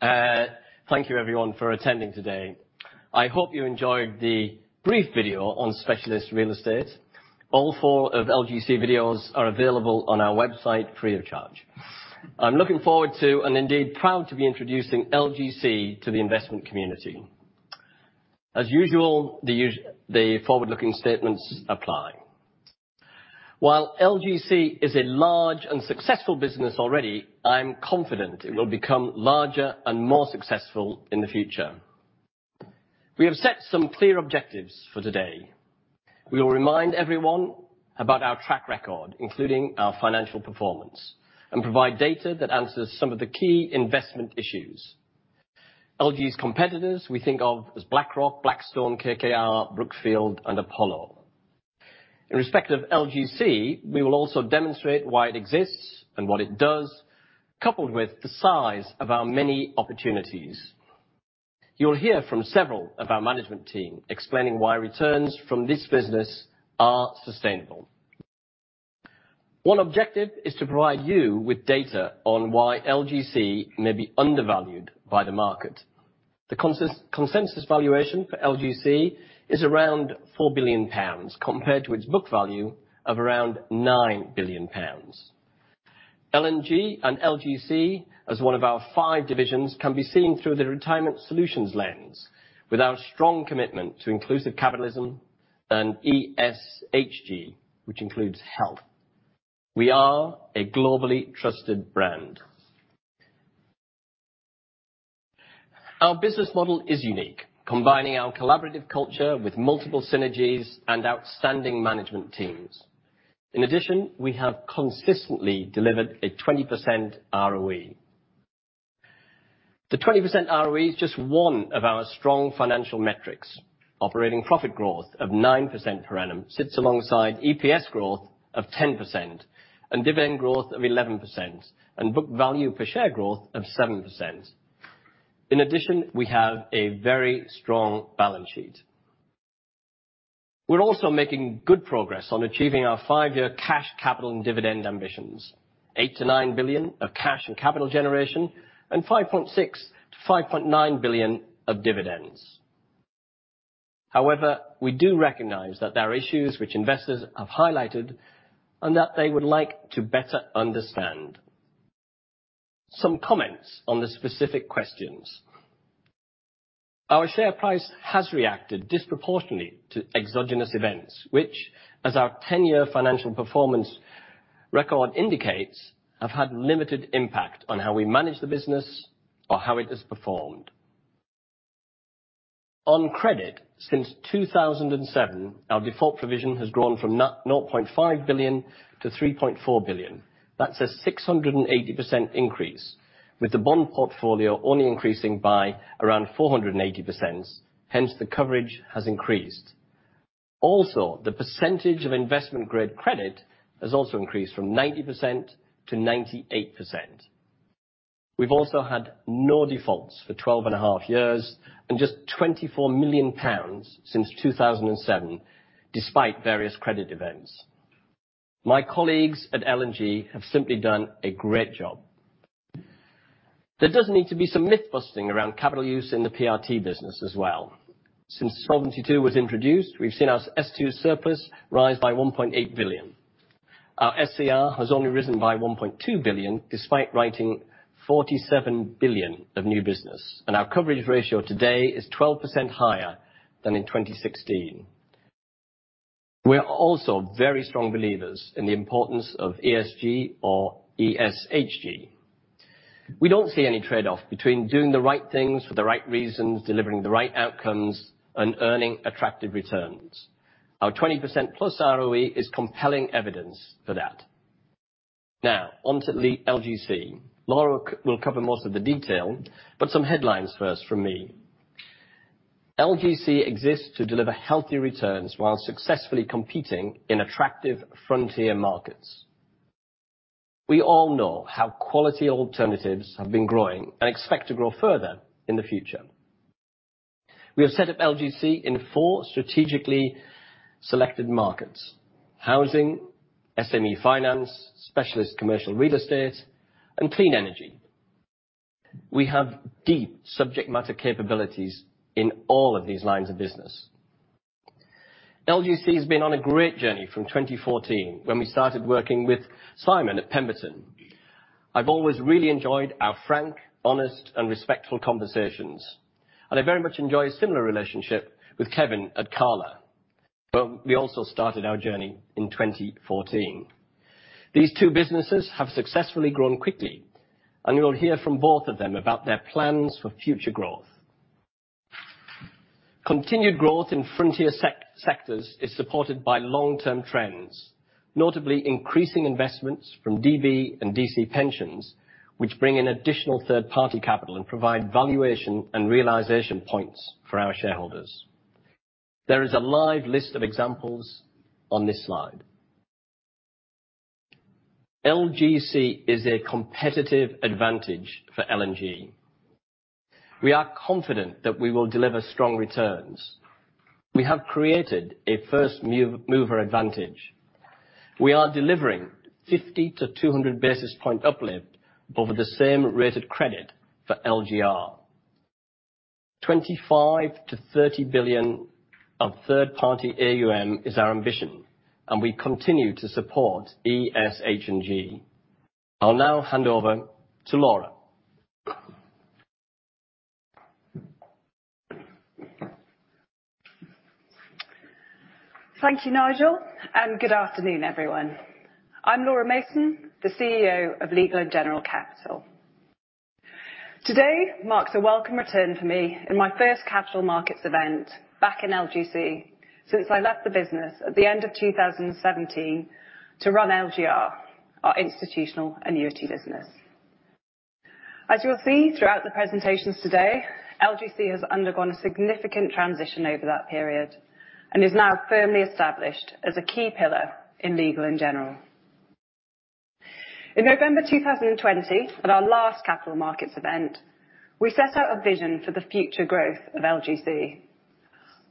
Thank you everyone for attending today. I hope you enjoyed the brief video on Specialist Real Estate. All four of LGC videos are available on our website free of charge. I'm looking forward to, and indeed proud to be introducing LGC to the investment community. As usual, the forward-looking statements apply. While LGC is a large and successful business already, I'm confident it will become larger and more successful in the future. We have set some clear objectives for today. We will remind everyone about our track record, including our financial performance, and provide data that answers some of the key investment issues. L&G's competitors we think of as BlackRock, Blackstone, KKR, Brookfield, and Apollo. In respect of LGC, we will also demonstrate why it exists and what it does, coupled with the size of our many opportunities. You will hear from several of our management team explaining why returns from this business are sustainable. One objective is to provide you with data on why LGC may be undervalued by the market. The consensus valuation for LGC is around 4 billion pounds, compared to its book value of around 9 billion pounds. L&G and LGC, as one of our five divisions, can be seen through the retirement solutions lens with our strong commitment to inclusive capitalism and ESHG, which includes health. We are a globally trusted brand. Our business model is unique, combining our collaborative culture with multiple synergies and outstanding management teams. In addition, we have consistently delivered a 20% ROE. The 20% ROE is just one of our strong financial metrics. Operating profit growth of 9% per annum sits alongside EPS growth of 10% and dividend growth of 11%, and book value per share growth of 7%. In addition, we have a very strong balance sheet. We're also making good progress on achieving our five-year cash, capital and dividend ambitions, 8 billion-9 billion of cash and capital generation, and 5.6 billion-5.9 billion of dividends. We do recognize that there are issues which investors have highlighted and that they would like to better understand. Some comments on the specific questions. Our share price has reacted disproportionately to exogenous events, which, as our 10-year financial performance record indicates, have had limited impact on how we manage the business or how it has performed. On credit, since 2007, our default provision has grown from 0.5 billion to 3.4 billion. That's a 680% increase, with the bond portfolio only increasing by around 480%, hence the coverage has increased. The percentage of investment-grade credit has also increased from 90%-98%. We've also had no defaults for 12.5 years, and just 24 million pounds since 2007, despite various credit events. My colleagues at L&G have simply done a great job. There does need to be some myth-busting around capital use in the PRT business as well. Since Solvency II was introduced, we've seen our S2 surplus rise by 1.8 billion. Our SCR has only risen by 1.2 billion, despite writing 47 billion of new business. Our coverage ratio today is 12% higher than in 2016. We are also very strong believers in the importance of ESG or ESHG. We don't see any trade-off between doing the right things for the right reasons, delivering the right outcomes, and earning attractive returns. Our 20%+ ROE is compelling evidence for that. Onto LGC. Laura will cover most of the detail, some headlines first from me. LGC exists to deliver healthy returns while successfully competing in attractive frontier markets. We all know how quality alternatives have been growing and expect to grow further in the future. We have set up LGC in four strategically selected markets: Housing, SME Finance, Specialist Commercial Real Estate, and Clean Energy. We have deep subject matter capabilities in all of these lines of business. LGC has been on a great journey from 2014, when we started working with Symon at Pemberton. I've always really enjoyed our frank, honest and respectful conversations, and I very much enjoy a similar relationship with Kevin at Cala. We also started our journey in 2014. These two businesses have successfully grown quickly, and you will hear from both of them about their plans for future growth. Continued growth in frontier sectors is supported by long-term trends, notably increasing investments from DB and DC pensions, which bring in additional third-party capital and provide valuation and realization points for our shareholders. There is a live list of examples on this slide. LGC is a competitive advantage for L&G. We are confident that we will deliver strong returns. We have created a first mover advantage. We are delivering 50 to 200 basis point uplift over the same rated credit for LGR. 25 billion-30 billion of third-party AUM is our ambition, and we continue to support ESH&G. I'll now hand over to Laura. Thank you, Nigel. Good afternoon, everyone. I'm Laura Mason, the CEO of Legal & General Capital. Today marks a welcome return for me in my first capital markets event back in LGC since I left the business at the end of 2017 to run LGR, our institutional annuity business. As you'll see throughout the presentations today, LGC has undergone a significant transition over that period and is now firmly established as a key pillar in Legal & General. In November 2020, at our last capital markets event, we set out a vision for the future growth of LGC.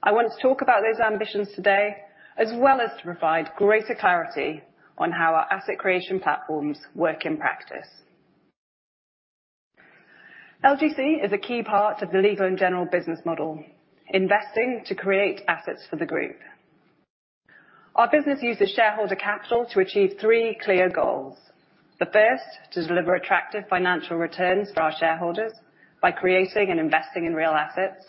I want to talk about those ambitions today, as well as to provide greater clarity on how our asset creation platforms work in practice. LGC is a key part of the Legal & General business model, investing to create assets for the group. Our business uses shareholder capital to achieve three clear goals. The first, to deliver attractive financial returns for our shareholders by creating and investing in real assets.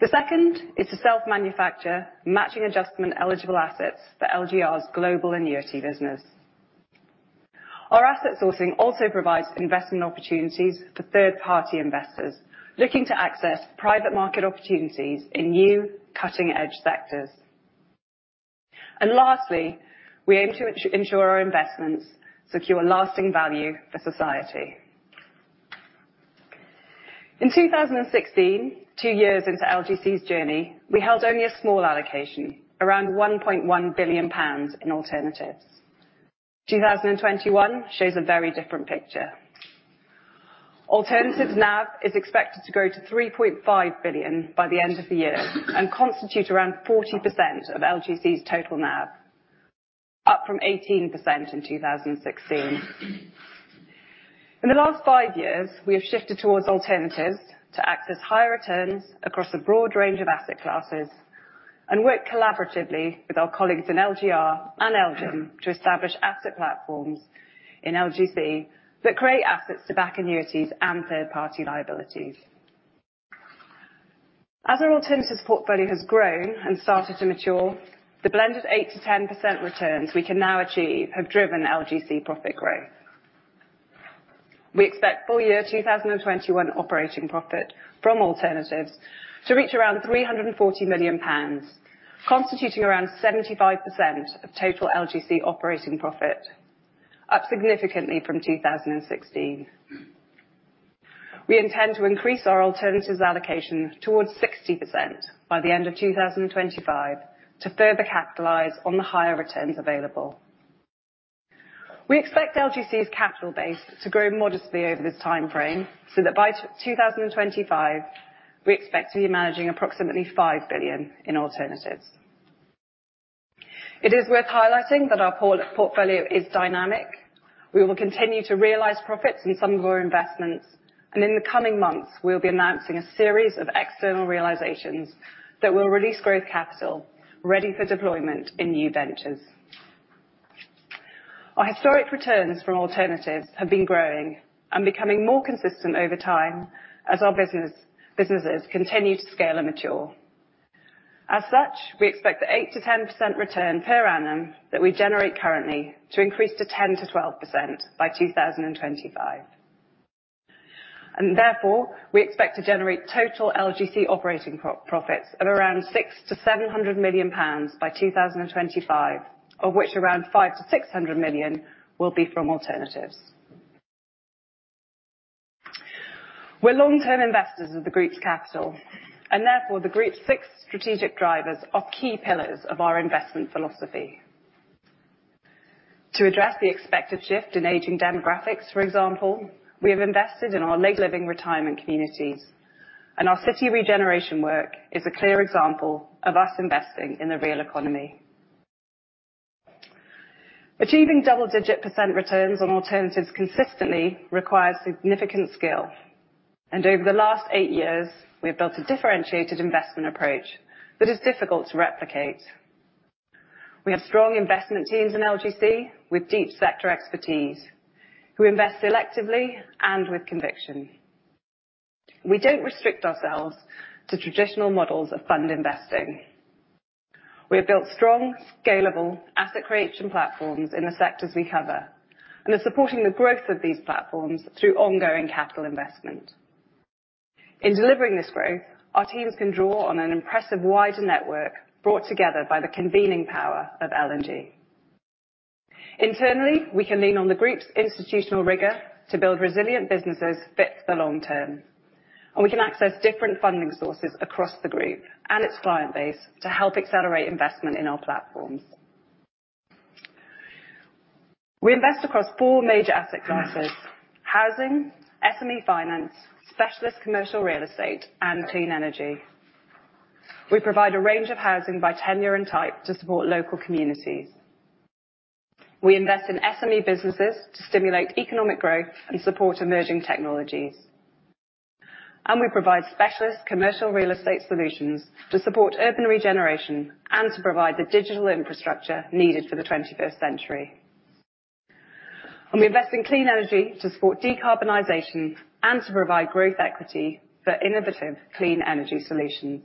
The second is to self-manufacture matching adjustment eligible assets for LGR global annuity business. Our asset sourcing also provides investment opportunities for third-party investors looking to access private market opportunities in new cutting-edge sectors. Lastly, we aim to ensure our investments secure lasting value for society. In 2016, two years into LGC's journey, we held only a small allocation, around 1.1 billion pounds in alternatives. 2021 shows a very different picture. Alternatives NAV is expected to grow to 3.5 billion by the end of the year and constitute around 40% of LGC's total NAV, up from 18% in 2016. In the last five years, we have shifted towards alternatives to access higher returns across a broad range of asset classes and work collaboratively with our colleagues in LGR and LGIM to establish asset platforms in LGC that create assets to back annuities and third-party liabilities. As our Alternatives portfolio has grown and started to mature, the blended 8%-10% returns we can now achieve have driven LGC profit growth. We expect full year 2021 operating profit from Alternatives to reach around 340 million pounds, constituting around 75% of total LGC operating profit, up significantly from 2016. We intend to increase our Alternatives allocation towards 60% by the end of 2025 to further capitalize on the higher returns available. We expect LGC's capital base to grow modestly over this timeframe, so that by 2025, we expect to be managing approximately 5 billion in Alternatives. It is worth highlighting that our portfolio is dynamic. We will continue to realize profits in some of our investments, and in the coming months, we'll be announcing a series of external realizations that will release growth capital ready for deployment in new ventures. Our historic returns from Alternatives have been growing and becoming more consistent over time as our businesses continue to scale and mature. As such, we expect the 8%-10% return per annum that we generate currently to increase to 10%-12% by 2025. Therefore, we expect to generate total LGC operating profits of around 600 million-700 million pounds by 2025, of which around 500 million-600 million will be from Alternatives. We're long-term investors of the group's capital, and therefore, the group's 6 strategic drivers are key pillars of our investment philosophy. To address the expected shift in aging demographics, for example, we have invested in our later living retirement communities, and our city regeneration work is a clear example of us investing in the real economy. Achieving double-digit percent returns on alternatives consistently requires significant skill. Over the last eight years, we have built a differentiated investment approach that is difficult to replicate. We have strong investment teams in LGC with deep sector expertise who invest selectively and with conviction. We don't restrict ourselves to traditional models of fund investing. We have built strong, scalable asset creation platforms in the sectors we cover and are supporting the growth of these platforms through ongoing capital investment. In delivering this growth, our teams can draw on an impressive wider network brought together by the convening power of L&G. Internally, we can lean on the group's institutional rigor to build resilient businesses fit for the long term. We can access different funding sources across the group and its client base to help accelerate investment in our platforms. We invest across four major asset classes: Housing, SME Finance, Specialist Commercial Real Estate, and Clean Energy. We provide a range of housing by tenure and type to support local communities. We invest in SME businesses to stimulate economic growth and support emerging technologies. We provide specialist commercial real estate solutions to support urban regeneration and to provide the digital infrastructure needed for the 21st century. We invest in clean energy to support decarbonization and to provide growth equity for innovative clean energy solutions.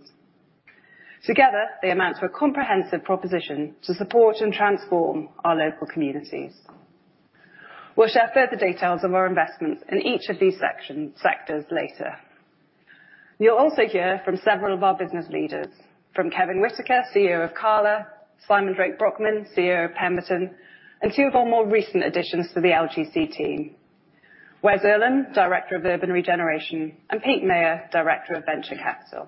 Together, they amount to a comprehensive proposition to support and transform our local communities. We'll share further details of our investments in each of these sectors later. You'll also hear from several of our business leaders, from Kevin Whitaker, CEO of Cala, Symon Drake-Brockman, CEO of Pemberton, and two of our more recent additions to the LGC team, Wes Erlam, Director of Urban Regeneration, and Pete Maher, Director of Venture Capital.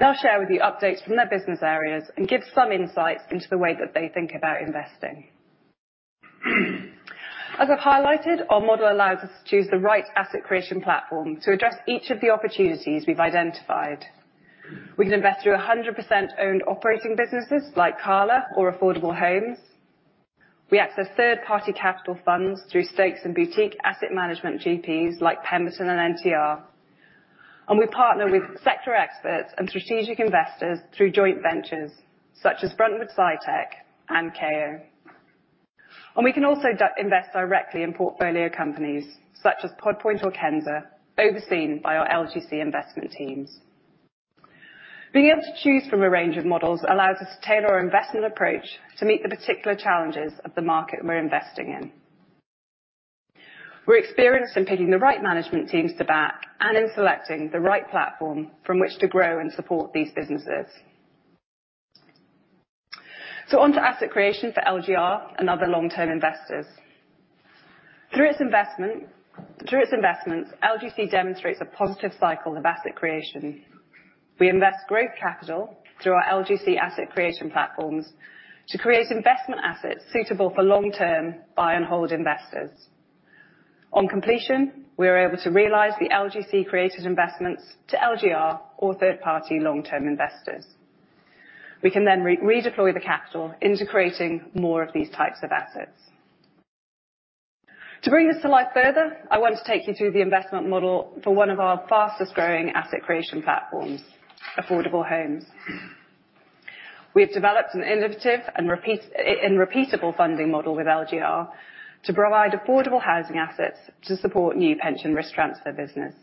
They'll share with you updates from their business areas and give some insights into the way that they think about investing. As I've highlighted, our model allows us to choose the right asset creation platform to address each of the opportunities we've identified. We can invest through 100% owned operating businesses like Cala or Affordable Homes. We access third-party capital funds through stakes and boutique asset management GPs like Pemberton and NTR. We partner with sector experts and strategic investors through joint ventures such as Bruntwood SciTech and Kao. We can also invest directly in portfolio companies such as Pod Point or Kensa, overseen by our LGC investment teams. Being able to choose from a range of models allows us to tailor our investment approach to meet the particular challenges of the market we're investing in. We're experienced in picking the right management teams to back and in selecting the right platform from which to grow and support these businesses. On to asset creation for LGR and other long-term investors. Through its investments, LGC demonstrates a positive cycle of asset creation. We invest growth capital through our LGC asset creation platforms to create investment assets suitable for long-term buy and hold investors. On completion, we are able to realize the LGC-created investments to LGR or third-party long-term investors. We can then redeploy the capital into creating more of these types of assets. To bring this to life further, I want to take you through the investment model for one of our fastest-growing asset creation platforms, Affordable Homes. We have developed an innovative and repeatable funding model with LGR to provide affordable housing assets to support new pension risk transfer business.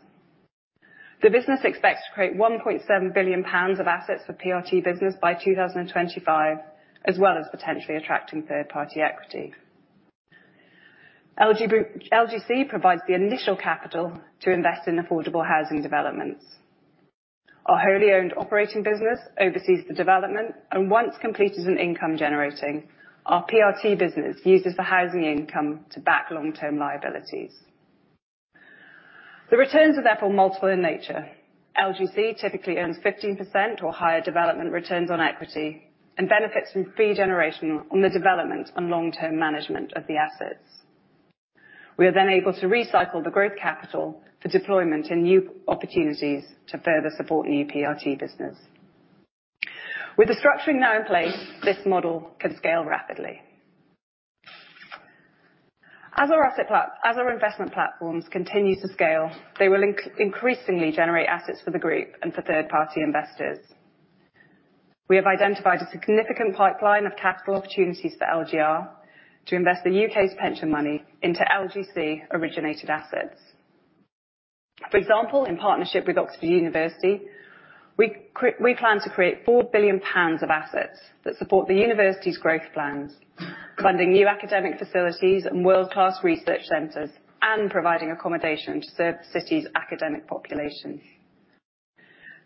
The business expects to create 1.7 billion pounds of assets for PRT business by 2025, as well as potentially attracting third-party equity. LGC provides the initial capital to invest in affordable housing developments. Our wholly owned operating business oversees the development, once completed and income generating, our PRT business uses the housing income to back long-term liabilities. The returns are therefore multiple in nature. LGC typically earns 15% or higher development returns on equity and benefits from fee generation on the development and long-term management of the assets. We are then able to recycle the growth capital for deployment in new opportunities to further support new PRT business. With the structuring now in place, this model can scale rapidly. As our investment platforms continue to scale, they will increasingly generate assets for the group and for third-party investors. We have identified a significant pipeline of capital opportunities for LGR to invest the U.K.'s pension money into LGC-originated assets. For example, in partnership with University of Oxford, we plan to create 4 billion pounds of assets that support the university's growth plans, funding new academic facilities and world-class research centers, and providing accommodation to serve the city's academic population.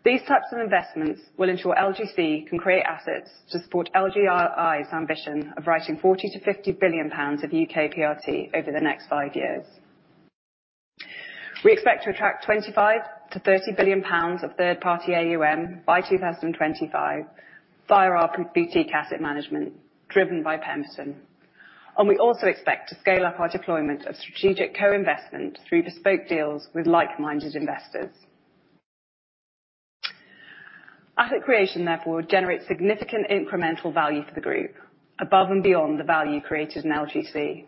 These types of investments will ensure LGC can create assets to support LGRI's ambition of writing 40 billion-50 billion pounds of U.K. PRT over the next five years. We expect to attract 25 billion-30 billion pounds of third-party AUM by 2025 via our boutique asset management driven by Pemberton. We also expect to scale up our deployment of strategic co-investment through bespoke deals with like-minded investors. Asset creation therefore generates significant incremental value for the group above and beyond the value created in LGC.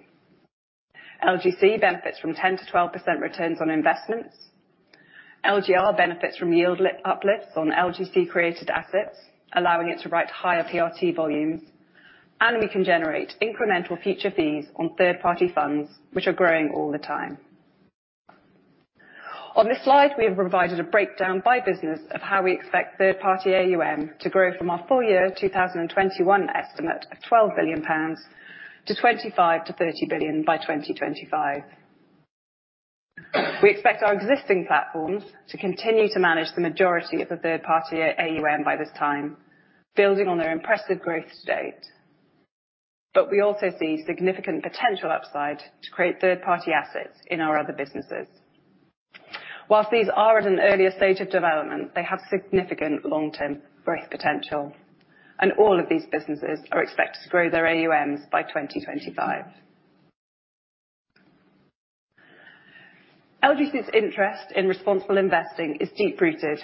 LGC benefits from 10%-12% returns on investments. LGR benefits from yield uplifts on LGC-created assets, allowing it to write higher PRT volumes. We can generate incremental future fees on third-party funds which are growing all the time. On this slide, we have provided a breakdown by business of how we expect third-party AUM to grow from our full year 2021 estimate of 12 billion pounds to 25 billion-30 billion by 2025. We expect our existing platforms to continue to manage the majority of the third-party AUM by this time, building on their impressive growth to date. We also see significant potential upside to create third-party assets in our other businesses. Whilst these are at an earlier stage of development, they have significant long-term growth potential, and all of these businesses are expected to grow their AUMs by 2025. LGC's interest in responsible investing is deep-rooted,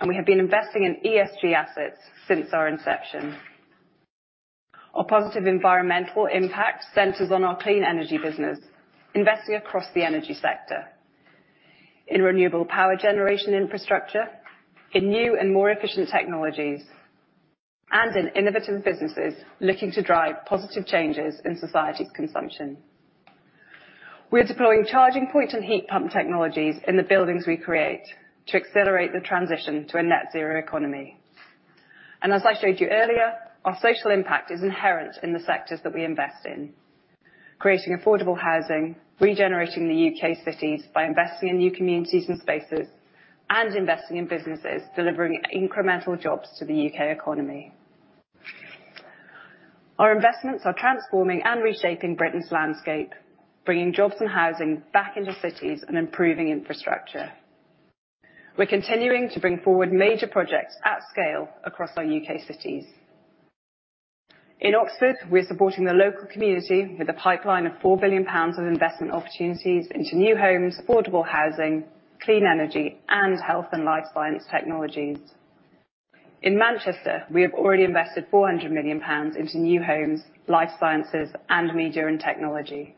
and we have been investing in ESG assets since our inception. Our positive environmental impact centers on our clean energy business, investing across the energy sector, in renewable power generation infrastructure, in new and more efficient technologies, and in innovative businesses looking to drive positive changes in society's consumption. We are deploying charging point and heat pump technologies in the buildings we create to accelerate the transition to a Net Zero economy. As I showed you earlier, our social impact is inherent in the sectors that we invest in, creating affordable housing, regenerating the U.K. cities by investing in new communities and spaces, and investing in businesses delivering incremental jobs to the U.K. economy. Our investments are transforming and reshaping Britain's landscape, bringing jobs and housing back into cities and improving infrastructure. We're continuing to bring forward major projects at scale across our U.K. cities. In Oxford, we're supporting the local community with a pipeline of GBP 4 billion of investment opportunities into new homes, affordable housing, clean energy, and health and life science technologies. In Manchester, we have already invested 400 million pounds into new homes, life sciences, and media and technology.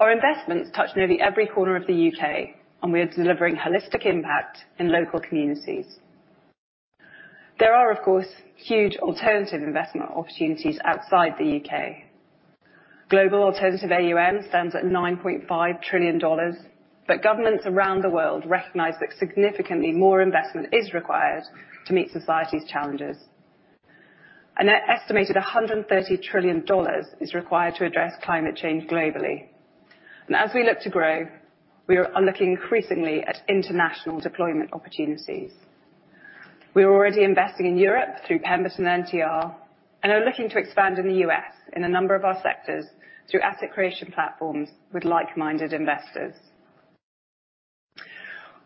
Our investments touch nearly every corner of the U.K., and we are delivering holistic impact in local communities. There are, of course, huge alternative investment opportunities outside the U.K. Global alternative AUM stands at $9.5 trillion. Governments around the world recognize that significantly more investment is required to meet society's challenges. An estimated $130 trillion is required to address climate change globally. As we look to grow, we are looking increasingly at international deployment opportunities. We are already investing in Europe through Pemberton NTR and are looking to expand in the U.S. in a number of our sectors through asset creation platforms with like-minded investors.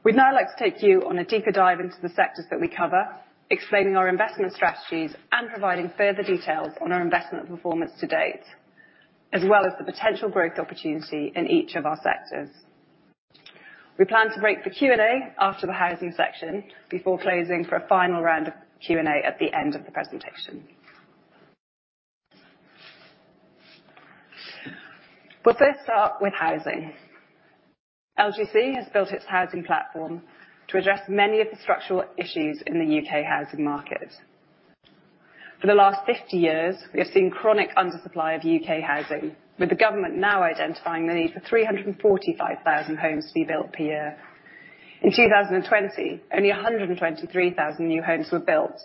We'd now like to take you on a deeper dive into the sectors that we cover, explaining our investment strategies and providing further details on our investment performance to date, as well as the potential growth opportunity in each of our sectors. We plan to break for Q&A after the housing section before closing for a final round of Q&A at the end of the presentation. We'll first start with Housing. LGC has built its Housing platform to address many of the structural issues in the U.K. housing market. For the last 50 years, we have seen chronic undersupply of U.K. housing, with the government now identifying the need for 345,000 homes to be built per year. In 2020, only 123,000 new homes were built,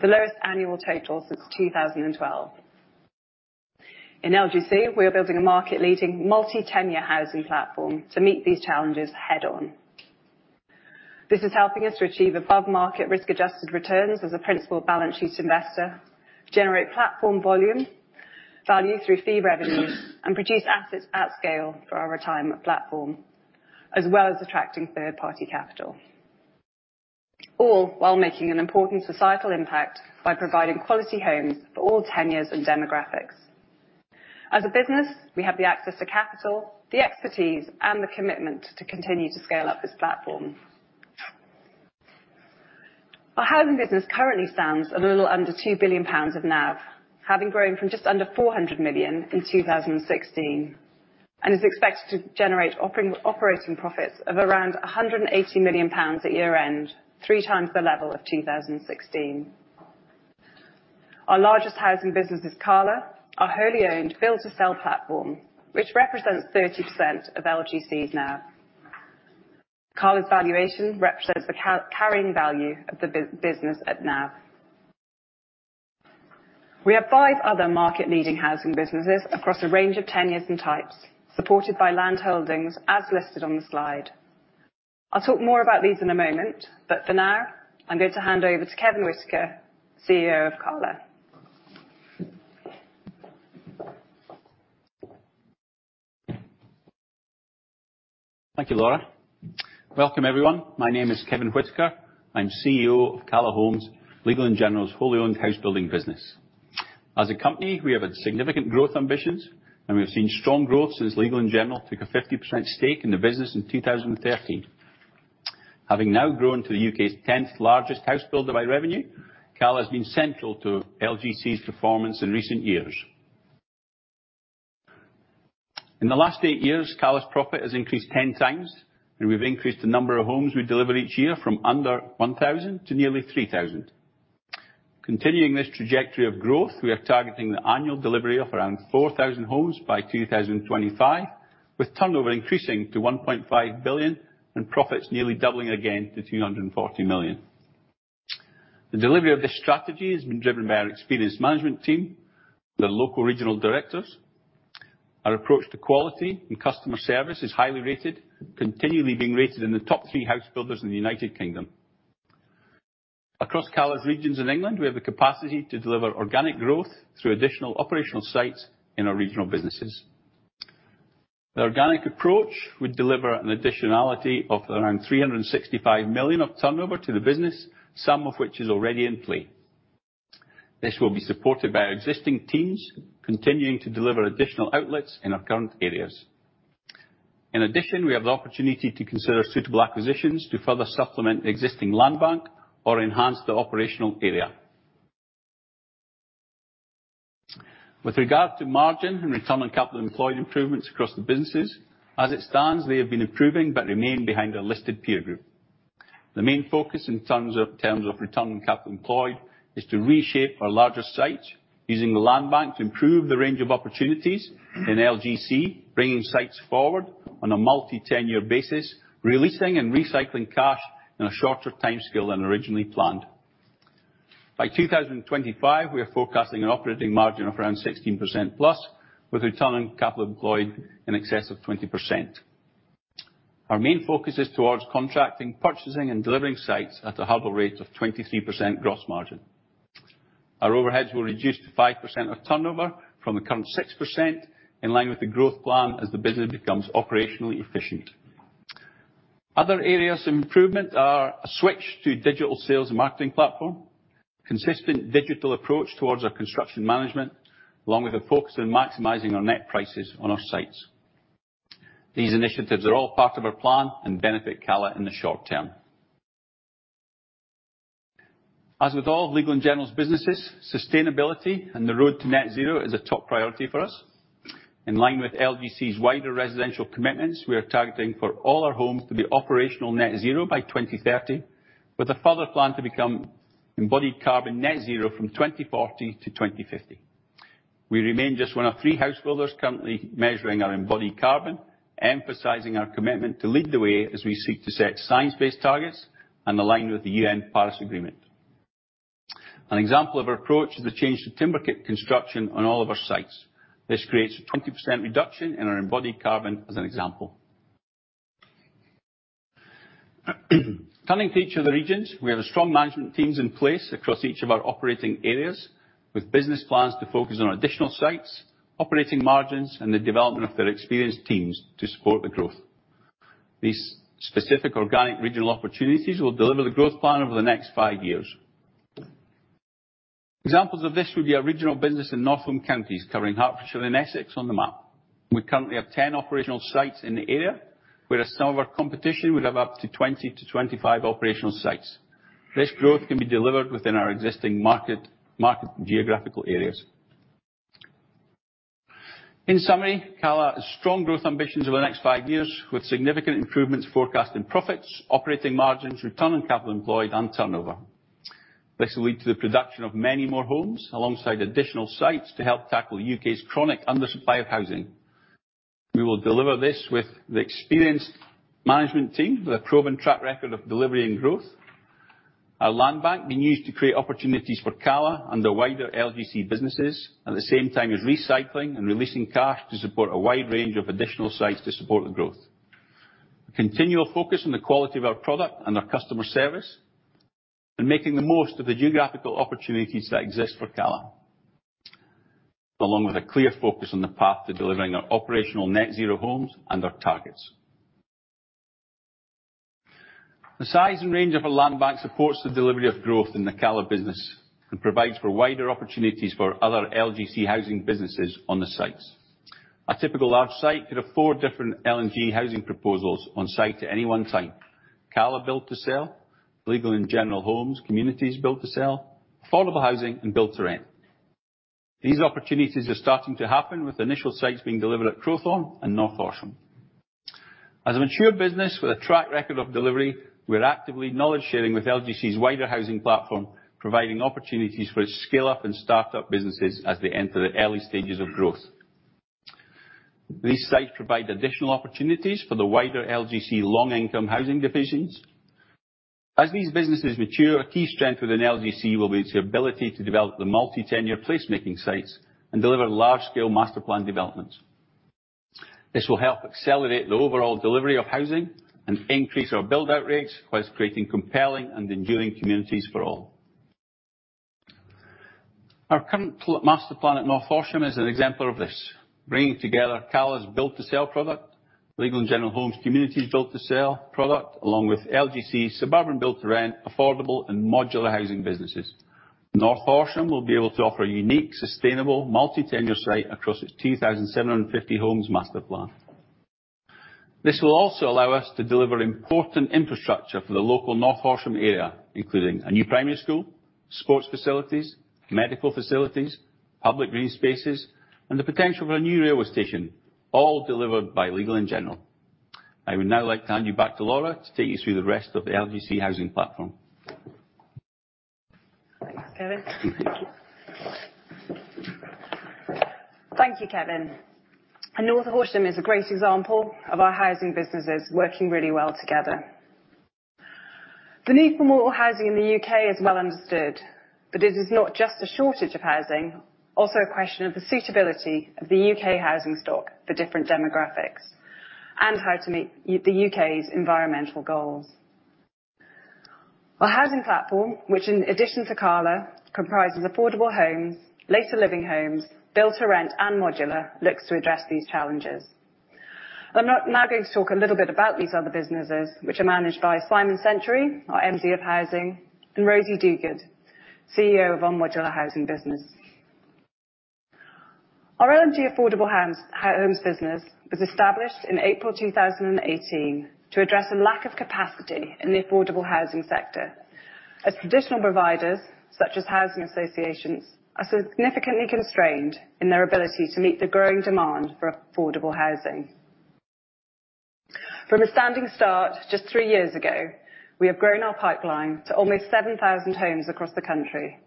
the lowest annual total since 2012. In LGC, we are building a market leading multi-tenure housing platform to meet these challenges head on. This is helping us to achieve above-market risk-adjusted returns as a principal balance sheet investor, generate platform volume, value through fee revenue, and produce assets at scale for our retirement platform, as well as attracting third-party capital. All while making an important societal impact by providing quality homes for all tenures and demographics. As a business, we have the access to capital, the expertise, and the commitment to continue to scale up this platform. Our Housing business currently stands a little under 2 billion pounds of NAV, having grown from just under 400 million in 2016, and is expected to generate operating profits of around 180 million pounds at year-end, three times the level of 2016. Our largest housing business is Cala, our wholly owned build-to-sell platform, which represents 30% of LGC's NAV. Cala's valuation represents the carrying value of the business at NAV. We have five other market leading housing businesses across a range of tenures and types, supported by land holdings, as listed on the slide. For now, I'm going to hand over to Kevin Whitaker, CEO of Cala. Thank you, Laura. Welcome, everyone. My name is Kevin Whitaker. I'm CEO of Cala Homes, Legal & General's wholly owned house building business. As a company, we have had significant growth ambitions, and we have seen strong growth since Legal & General took a 50% stake in the business in 2013. Having now grown to the U.K.'s 10th largest house builder by revenue, Cala has been central to LGC's performance in recent years. In the last eight years, Cala's profit has increased 10x, and we've increased the number of homes we deliver each year from under 1,000 to nearly 3,000. Continuing this trajectory of growth, we are targeting the annual delivery of around 4,000 homes by 2025, with turnover increasing to 1.5 billion and profits nearly doubling again to 240 million. The delivery of this strategy has been driven by our experienced management team, the local regional directors. Our approach to quality and customer service is highly rated, continually being rated in the top three house builders in the U.K. Across Cala's regions in England, we have the capacity to deliver organic growth through additional operational sites in our regional businesses. The organic approach would deliver an additionality of around 365 million of turnover to the business, some of which is already in play. This will be supported by our existing teams, continuing to deliver additional outlets in our current areas. In addition, we have the opportunity to consider suitable acquisitions to further supplement existing land bank or enhance the operational area. With regard to margin and return on capital employed improvements across the businesses, as it stands, they have been improving, but remain behind our listed peer group. The main focus in terms of return on capital employed is to reshape our larger sites using the land bank to improve the range of opportunities in LGC, bringing sites forward on a multi 10-year basis, releasing and recycling cash in a shorter timescale than originally planned. By 2025, we are forecasting an operating margin of around 16%+, with return on capital employed in excess of 20%. Our main focus is towards contracting, purchasing, and delivering sites at a hurdle rate of 23% gross margin. Our overheads will reduce to 5% of turnover from the current 6%, in line with the growth plan, as the business becomes operationally efficient. Other areas of improvement are a switch to digital sales and marketing platform, consistent digital approach towards our construction management, along with a focus on maximizing our net prices on our sites. These initiatives are all part of our plan and benefit Cala in the short term. As with all of Legal & General's businesses, sustainability and the road to net zero is a top priority for us. In line with LGC's wider residential commitments, we are targeting for all our homes to be operational net zero by 2030, with a further plan to become embodied carbon net zero from 2040 to 2050. We remain just one of three house builders currently measuring our embodied carbon, emphasizing our commitment to lead the way as we seek to set science-based targets and align with the Paris Agreement. An example of our approach is the change to timber kit construction on all of our sites. This creates a 20% reduction in our embodied carbon as an example. Turning to each of the regions, we have strong management teams in place across each of our operating areas, with business plans to focus on additional sites, operating margins, and the development of their experienced teams to support the growth. These specific organic regional opportunities will deliver the growth plan over the next five years. Examples of this would be our regional business in North Home Counties, covering Hertfordshire and Essex on the map. We currently have 10 operational sites in the area, where some of our competition will have up to 20 to 25 operational sites. This growth can be delivered within our existing market geographical areas. In summary, Cala has strong growth ambitions over the next five years, with significant improvements forecast in profits, operating margins, return on capital employed, and turnover. This will lead to the production of many more homes, alongside additional sites to help tackle U.K.'s chronic undersupply of housing. We will deliver this with the experienced management team, with a proven track record of delivery and growth. Our land bank being used to create opportunities for Cala and the wider LGC businesses, at the same time as recycling and releasing cash to support a wide range of additional sites to support the growth. A continual focus on the quality of our product and our customer service, and making the most of the geographical opportunities that exist for Cala, along with a clear focus on the path to delivering our operational Net Zero homes and our targets. The size and range of our land bank supports the delivery of growth in the Cala business and provides for wider opportunities for other LGC housing businesses on the sites. Our typical large site could have four different L&G housing proposals on site at any one time. Cala build-to-sell, Legal & General Homes, communities build-to-sell, affordable housing, and build-to-rent. These opportunities are starting to happen with initial sites being delivered at Crowthorne and North Horsham. As a mature business with a track record of delivery, we are actively knowledge sharing with LGC's wider housing platform, providing opportunities for its scale-up and start-up businesses as they enter the early stages of growth. These sites provide additional opportunities for the wider LGC long income housing divisions. As these businesses mature, a key strength within LGC will be its ability to develop the multi-tenure placemaking sites and deliver large scale master plan developments. This will help accelerate the overall delivery of housing and increase our build-out rates whilst creating compelling and enduring communities for all. Our current master plan at North Horsham is an exemplar of this, bringing together Cala's build-to-sell product, Legal & General Homes communities build-to-sell product, along with LGC Suburban Build-to-Rent, Affordable, and Modular Housing businesses. North Horsham will be able to offer a unique, sustainable multi-tenure site across its 2,750 homes master plan. This will also allow us to deliver important infrastructure for the local North Horsham area, including a new primary school, sports facilities, medical facilities, public green spaces, and the potential for a new railway station, all delivered by Legal & General. I would now like to hand you back to Laura to take you through the rest of the LGC housing platform. Thanks, Kevin. Thank you, Kevin. North Horsham is a great example of our housing businesses working really well together. The need for more housing in the U.K. is well understood, but it is not just a shortage of housing, also a question of the suitability of the U.K. housing stock for different demographics. How to meet the U.K.'s environmental goals. Our housing platform, which in addition to Cala, comprises affordable homes, later living homes, build-to-rent, and modular, looks to address these challenges. I am now going to talk a little bit about these other businesses, which are managed by Simon Century, our MD of Housing, and Rosie Toogood, CEO of our Modular Housing business. Our L&G Affordable Homes business was established in April 2018 to address a lack of capacity in the affordable housing sector, as traditional providers, such as housing associations, are significantly constrained in their ability to meet the growing demand for affordable housing. From a standing start just three years ago, we have grown our pipeline to almost 7,000 homes across the country,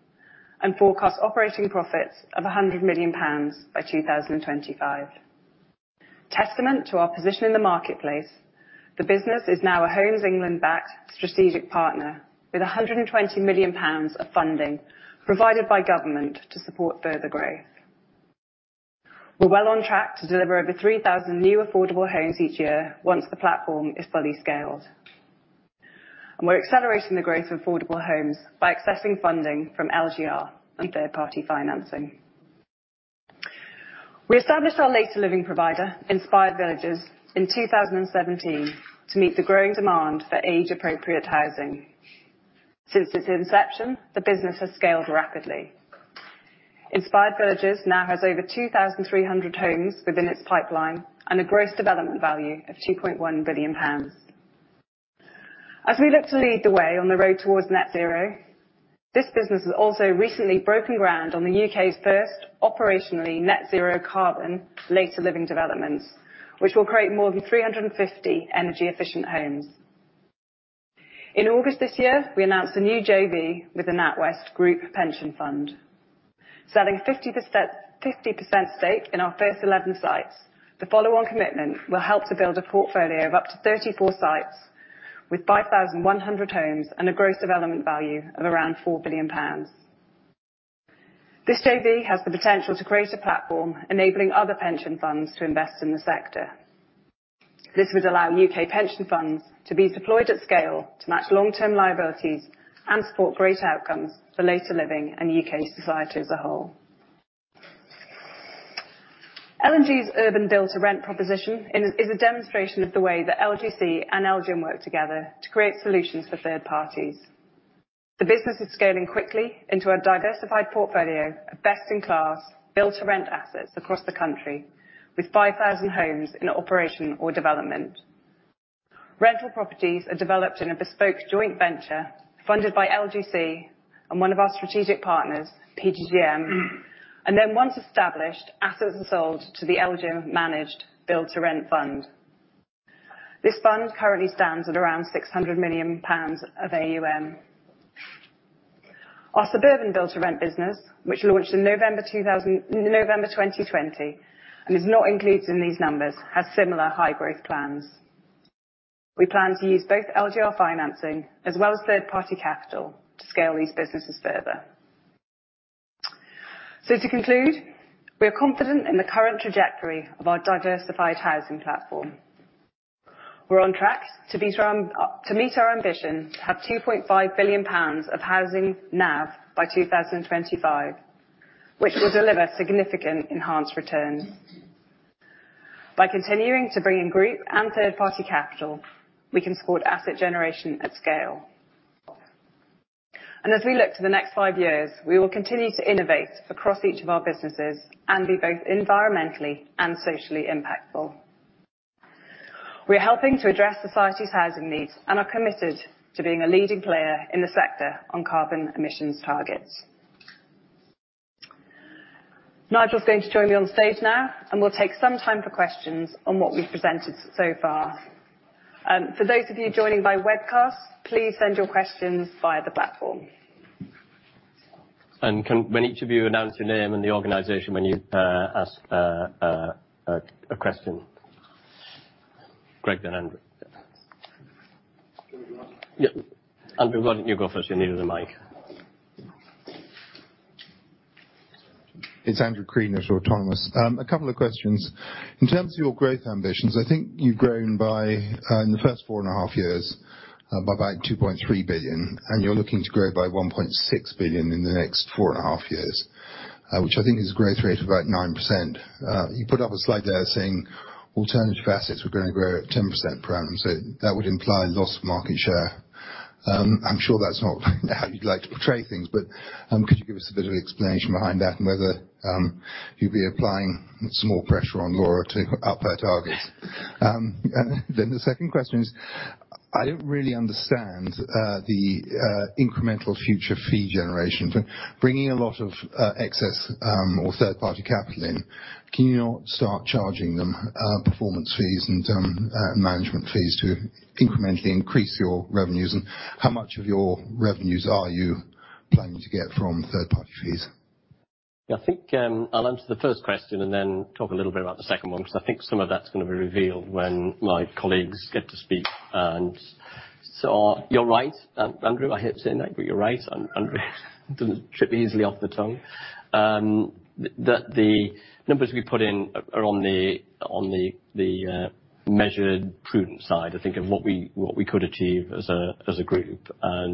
and forecast operating profits of 100 million pounds by 2025. Testament to our position in the marketplace, the business is now a Homes England-backed strategic partner with 120 million pounds of funding provided by government to support further growth. We're well on track to deliver over 3,000 new affordable homes each year once the platform is fully scaled. We're accelerating the growth of affordable homes by accessing funding from LGR and third-party financing. We established our later living provider, Inspired Villages, in 2017 to meet the growing demand for age-appropriate housing. Since its inception, the business has scaled rapidly. Inspired Villages now has over 2,300 homes within its pipeline and a gross development value of 2.1 billion pounds. As we look to lead the way on the road towards net zero, this business has also recently broken ground on the U.K.'s first operationally net zero carbon later living developments, which will create more than 350 energy-efficient homes. In August this year, we announced a new JV with the NatWest Group Pension Fund. Selling 50% stake in our first 11 sites, the follow-on commitment will help to build a portfolio of up to 34 sites with 5,100 homes and a gross development value of around 4 billion pounds. This JV has the potential to create a platform enabling other pension funds to invest in the sector. This would allow U.K. pension funds to be deployed at scale to match long-term liabilities and support great outcomes for later living and U.K. society as a whole. L&G's urban build-to-rent proposition is a demonstration of the way that LGC and LGIM work together to create solutions for third parties. The business is scaling quickly into a diversified portfolio of best-in-class build-to-rent assets across the country, with 5,000 homes in operation or development. Rental properties are developed in a bespoke joint venture funded by LGC and one of our strategic partners, PGGM, and then once established, assets are sold to the LGIM-managed build-to-rent fund. This fund currently stands at around 600 million pounds of AUM. Our Suburban Build-to-Rent business, which launched in November 2020, and is not included in these numbers, has similar high growth plans. We plan to use both LGR financing as well as third-party capital to scale these businesses further. To conclude, we are confident in the current trajectory of our diversified housing platform. We're on track to meet our ambition to have 2.5 billion pounds of housing NAV by 2025, which will deliver significant enhanced returns. As we look to the next five years, we will continue to innovate across each of our businesses and be both environmentally and socially impactful. We are helping to address society's housing needs and are committed to being a leading player in the sector on carbon emissions targets. Nigel's going to join me on stage now, and we'll take some time for questions on what we've presented so far. For those of you joining by webcast, please send your questions via the platform. Can, when each of you announce your name and the organization when you ask a question. Greig, then Andrew. Yeah. Andrew, why don't you go first? You're nearer the mic. It's Andrew Crean from Autonomous. A couple of questions. In terms of your growth ambitions, I think you've grown by, in the first 4.5 years, by about 2.3 billion, and you're looking to grow by 1.6 billion in the next 4.5 years, which I think is a growth rate of about 9%. You put up a slide there saying alternative assets were gonna grow at 10% per annum, so that would imply lost market share. I'm sure that's not how you'd like to portray things, but could you give us a bit of explanation behind that and whether you'll be applying some more pressure on Laura to up her targets? The second question is, I don't really understand the incremental future fee generation. Bringing a lot of excess or third-party capital in, can you not start charging them performance fees and management fees to incrementally increase your revenues? How much of your revenues are you planning to get from third-party fees? Yeah, I think I'll answer the first question and then talk a little bit about the second one, because I think some of that's gonna be revealed when my colleagues get to speak. You're right, Andrew. I hate saying that, but you're right, Andrew. Doesn't trip easily off the tongue. The numbers we put in are on the measured, prudent side, I think of what we could achieve as a group. I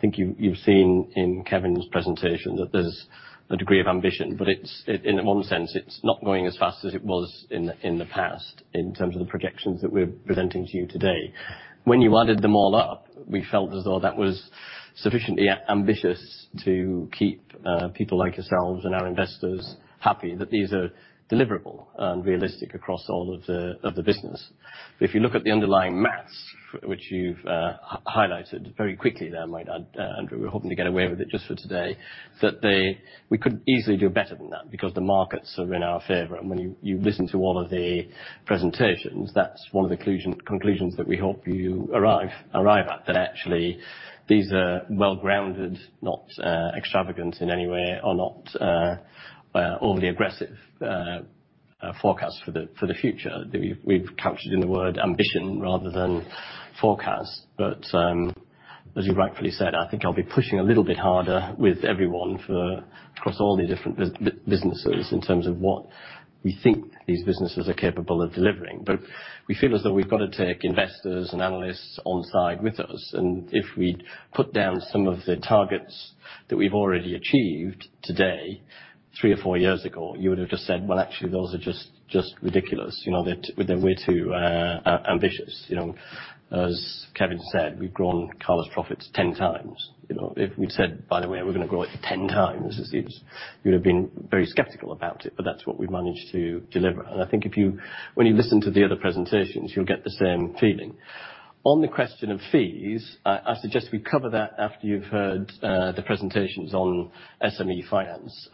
think you've seen in Kevin's presentation that there's a degree of ambition, but in one sense, it's not going as fast as it was in the past, in terms of the projections that we're presenting to you today. When you added them all up, we felt as though that was sufficiently ambitious to keep people like yourselves and our investors happy that these are deliverable and realistic across all of the business. If you look at the underlying maths, which you've highlighted very quickly there, I might add, Andrew, we were hoping to get away with it just for today. We could easily do better than that because the markets are in our favor. When you listen to all of the presentations, that's one of the conclusions that we hope you arrive at. Actually, these are well-grounded, not extravagant in any way, or not overly aggressive forecasts for the future, that we've captured in the word ambition rather than forecast. As you rightfully said, I think I'll be pushing a little bit harder with everyone for across all the different businesses in terms of what we think these businesses are capable of delivering. We feel as though we've got to take investors and analysts on side with us. If we put down some of the targets that we've already achieved today, three or four years ago, you would have just said, well, actually those are just ridiculous, that we're too ambitious. As Kevin said, we've grown Cala's profits 10x. If we'd said, by the way, we're going to grow it 10x, you'd have been very skeptical about it, but that's what we've managed to deliver. I think when you listen to the other presentations, you'll get the same feeling. On the question of fees, I suggest we cover that after you've heard the presentations on SME Finance.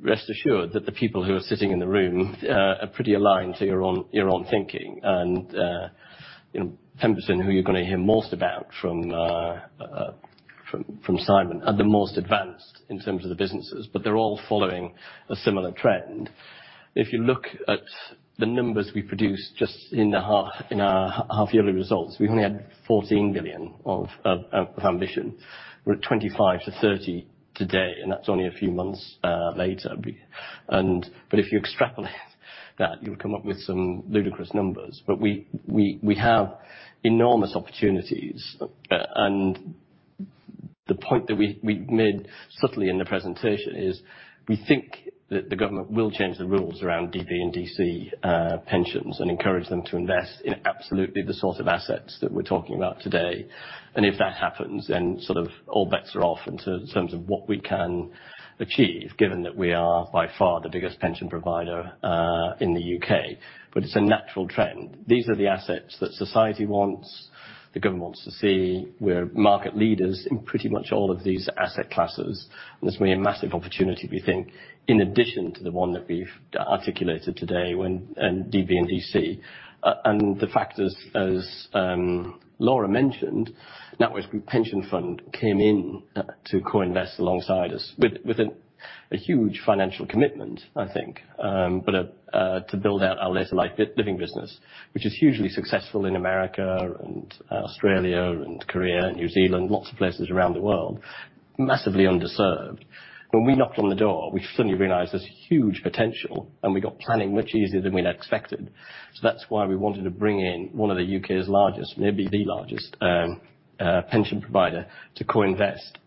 Rest assured that the people who are sitting in the room are pretty aligned to your own thinking. Pemberton, who you're going to hear most about from Symon, are the most advanced in terms of the businesses. They're all following a similar trend. If you look at the numbers we produce just in our half-yearly results, we've only had 14 billion of ambition. We're at 25 billion-30 billion today, and that's only a few months later. If you extrapolate that, you'll come up with some ludicrous numbers. But we have enormous opportunities. The point that we made subtly in the presentation is we think that the government will change the rules around DB and DC pensions and encourage them to invest in absolutely the sort of assets that we're talking about today. If that happens, then all bets are off in terms of what we can achieve, given that we are by far the biggest pension provider in the U.K. It's a natural trend. These are the assets that society wants, the government wants to see. We're market leaders in pretty much all of these asset classes, there's going to be a massive opportunity, we think, in addition to the one that we've articulated today in DB and DC. The fact is, as Laura mentioned, NatWest Group Pension Fund came in to co-invest alongside us with a huge financial commitment, I think, to build out our later life living business, which is hugely successful in the U.S. and Australia and Korea and New Zealand, lots of places around the world. Massively underserved. When we knocked on the door, we suddenly realized there's huge potential, we got planning much easier than we'd expected. That's why we wanted to bring in 1 of the U.K.'s largest, maybe the largest pension provider to co-invest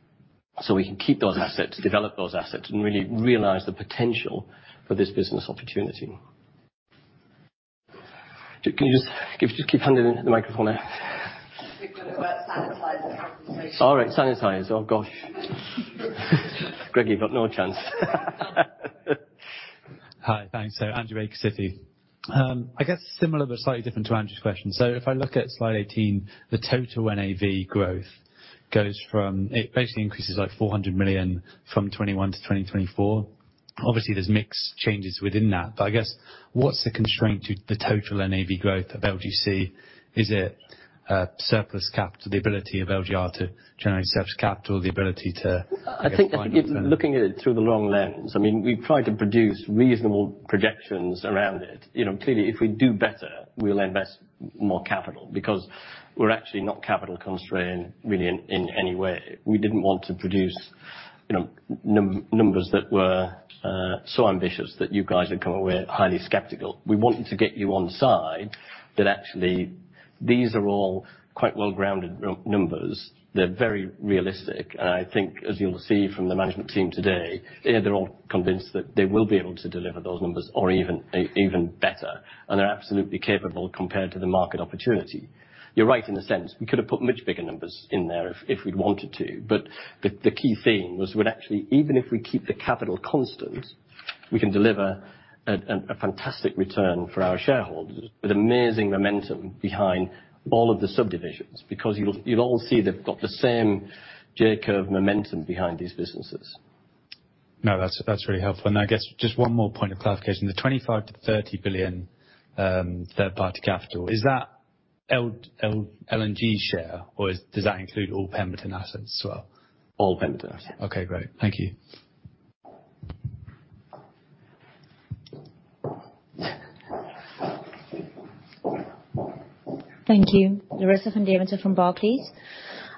so we can keep those assets, develop those assets, and really realize the potential for this business opportunity. Can you just keep handing the microphone there? We've got to sanitize it after each person. All right. Sanitize. Oh, gosh. Greig, you've got no chance. Hi. Thanks. Andrew Baker, Citi. I guess similar but slightly different to Andrew's question. If I look at slide 18, the total NAV growth, it basically increases by 400 million from 2021 to 2024. Obviously, there's mix changes within that. I guess, what's the constraint to the total NAV growth of LGC? Is it surplus capital, the ability of LGR to generate surplus capital? I think it's looking at it through the wrong lens. We've tried to produce reasonable projections around it. Clearly, if we do better, we'll invest more capital because we're actually not capital constrained really in any way. We didn't want to produce numbers that were so ambitious that you guys would come away highly skeptical. We wanted to get you on side that actually these are all quite well-grounded numbers. They're very realistic. I think as you'll see from the management team today, they're all convinced that they will be able to deliver those numbers or even better, and they're absolutely capable compared to the market opportunity. You're right in a sense. We could have put much bigger numbers in there if we'd wanted to. The key thing was would actually, even if we keep the capital constant, we can deliver a fantastic return for our shareholders with amazing momentum behind all of the subdivisions. You'll all see they've got the same J-curve momentum behind these businesses. No, that's really helpful. I guess just one more point of clarification. The 25 billion-30 billion third-party capital, is that L&G share, or does that include all Pemberton assets as well? All Pemberton. Okay, great. Thank you. Thank you. Larissa Van Deventer from Barclays.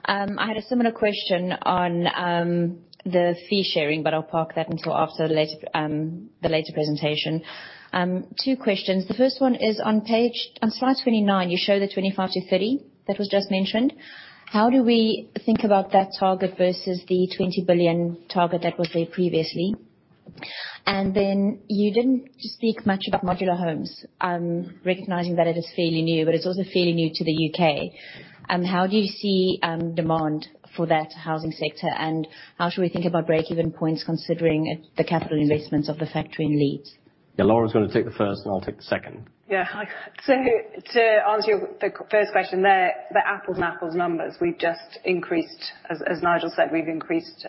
I had a similar question on the fee sharing, but I'll park that until after the later presentation. Two questions. The first one is on slide 29, you show the 25-30 that was just mentioned. How do we think about that target versus the 20 billion target that was there previously? You didn't speak much about modular homes. Recognizing that it is fairly new, but it's also fairly new to the U.K. How do you see demand for that housing sector, and how should we think about break-even points considering the capital investments of the factory in Leeds? Yeah. Laura's going to take the first, and I'll take the second. To answer your first question there, they're apples and apples numbers. We've just increased, as Nigel said, we've increased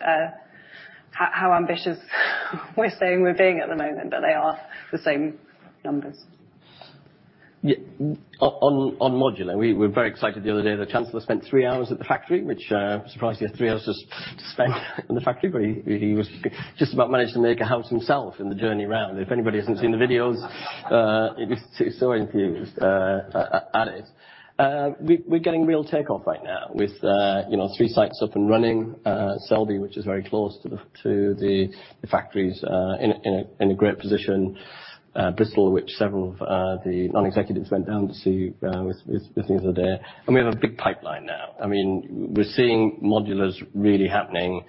how ambitious we're saying we're being at the moment, they are the same numbers. Yeah. On modular, we were very excited the other day. The chancellor spent three hours at the factory. Which, surprised he had three hours just to spend in the factory, but he just about managed to make a house himself in the journey round. If anybody hasn't seen the videos. He was so enthused at it. We're getting real take-off right now with three sites up and running. Selby, which is very close to the factories, in a great position. Bristol, which several of the non-executives went down to see. Visitors are there. We have a big pipeline now. We're seeing modulars really happening.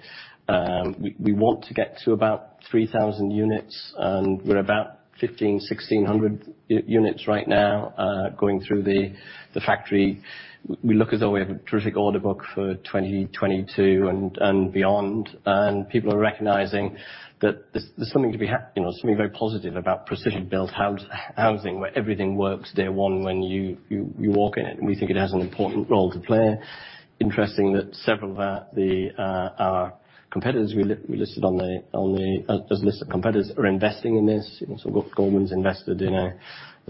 We want to get to about 3,000 units. We're about 1,500-1,600 units right now, going through the factory. We look as though we have a terrific order book for 2022 and beyond. People are recognizing that there's something very positive about precision-built housing, where everything works day one when you walk in it. We think it has an important role to play. Interesting that several of our competitors we listed on the list of competitors, are investing in this. Goldman's invested in a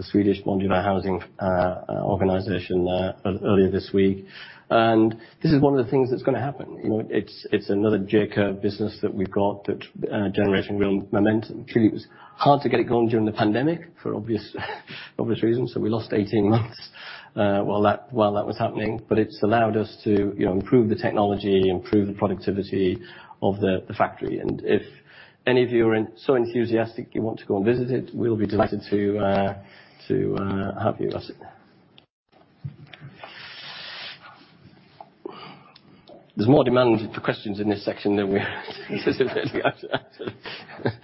Swedish modular housing organization earlier this week. This is one of the things that's going to happen. It's another J-curve business that we've got that generating real momentum. Truly, it was hard to get it going during the pandemic for obvious reasons. We lost 18 months, while that was happening. It's allowed us to improve the technology, improve the productivity of the factory. If any of you are so enthusiastic you want to go and visit it, we'll be delighted to have you. There's more demand for questions in this section than we anticipated to answer.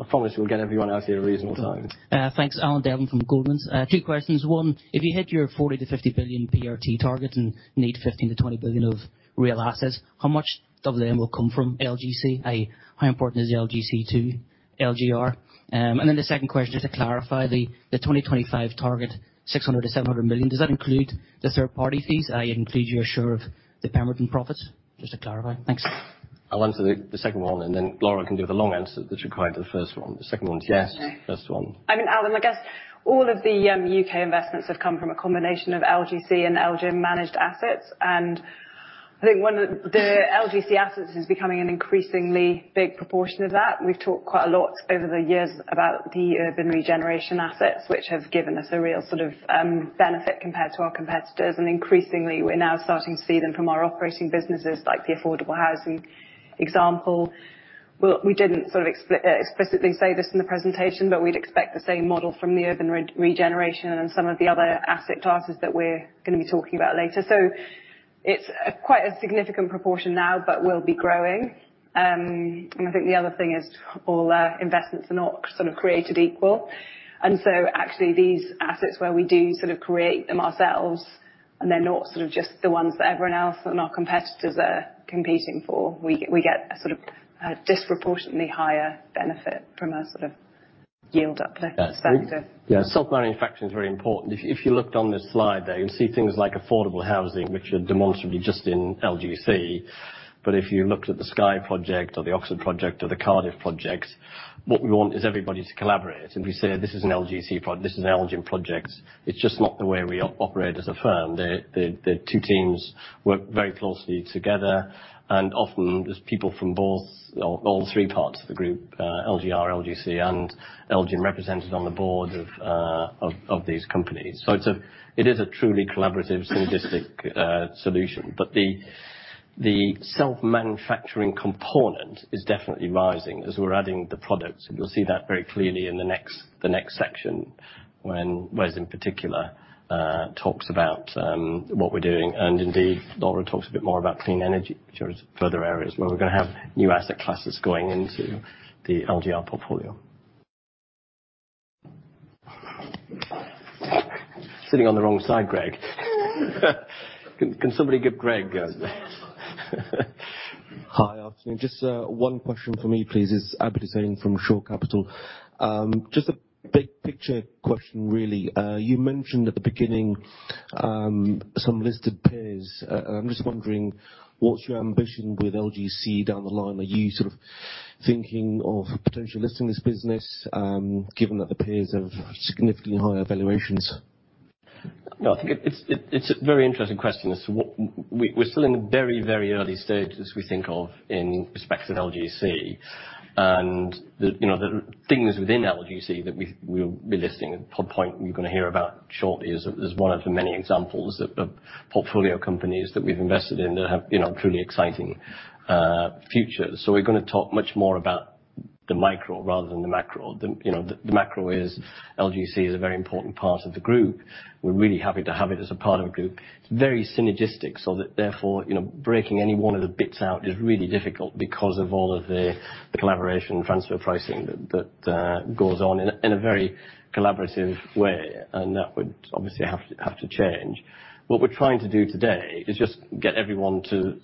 I promise we'll get everyone out of here a reasonable time. Thanks. Alan Devlin from Goldman. Two questions. One, if you hit your 40 billion-50 billion PRT target and need 15 billion-20 billion of real assets, how much of them will come from LGC? How important is LGC to LGR? Then the second question, just to clarify the 2025 target, 600 million-700 million. Does that include the third-party fees, i.e., include your share of the Pemberton profits? Just to clarify. Thanks. I'll answer the second one, and then Laura can give the long answer that required to the first one. The second one's yes. Okay. First one. I mean, Alan, I guess all of the U.K. investments have come from a combination of LGC and LGIM managed assets. I think one of the LGC assets is becoming an increasingly big proportion of that. We've talked quite a lot over the years about the urban regeneration assets, which have given us a real sort of benefit compared to our competitors. Increasingly, we're now starting to see them from our operating businesses, like the affordable housing example. Well, we didn't explicitly say this in the presentation, but we'd expect the same model from the urban regeneration and some of the other asset classes that we're going to be talking about later. It's quite a significant proportion now, but will be growing. I think the other thing is all investments are not sort of created equal. Actually, these assets where we do sort of create them ourselves and they're not sort of just the ones that everyone else and our competitors are competing for, we get a sort of a disproportionately higher benefit from a sort of yield uplift perspective. Self-manufacturing is very important. If you looked on this slide there, you'll see things like affordable housing, which are demonstrably just in LGC. If you looked at the Sky project or the Oxford project or the Cardiff project, what we want is everybody to collaborate. We say, "This is an LGC project, this is an LGIM project." It's just not the way we operate as a firm. The two teams work very closely together. Often, there's people from both or all three parts of the group, LGR, LGC, and LGIM, represented on the board of these companies. It is a truly collaborative, synergistic solution. The self-manufacturing component is definitely rising as we're adding the products. You'll see that very clearly in the next section, when Wes in particular, talks about what we're doing. Indeed, Laura talks a bit more about Clean Energy, which are further areas where we're going to have new asset classes going into the LGR portfolio. Sitting on the wrong side, Greig. Can somebody get Greig? Hi. Afternoon. Just one question from me, please. It is Abid Hussain from Shore Capital. Just a big picture question, really. You mentioned at the beginning, some listed peers. I am just wondering, what is your ambition with LGC down the line? Are you sort of thinking of potentially listing this business, given that the peers have significantly higher valuations? No, I think it's a very interesting question as to what. We're still in the very, very early stages, we think of, in respect to LGC. The things within LGC that we will be listing at Pod Point, and you're going to hear about shortly, is one of the many examples of portfolio companies that we've invested in that have truly exciting futures. We're going to talk much more about the micro rather than the macro. The macro is LGC is a very important part of the group. We're really happy to have it as a part of the group. It's very synergistic, therefore, breaking any one of the bits out is really difficult because of all of the collaboration and transfer pricing that goes on in a very collaborative way, and that would obviously have to change. What we're trying to do today is just get everyone to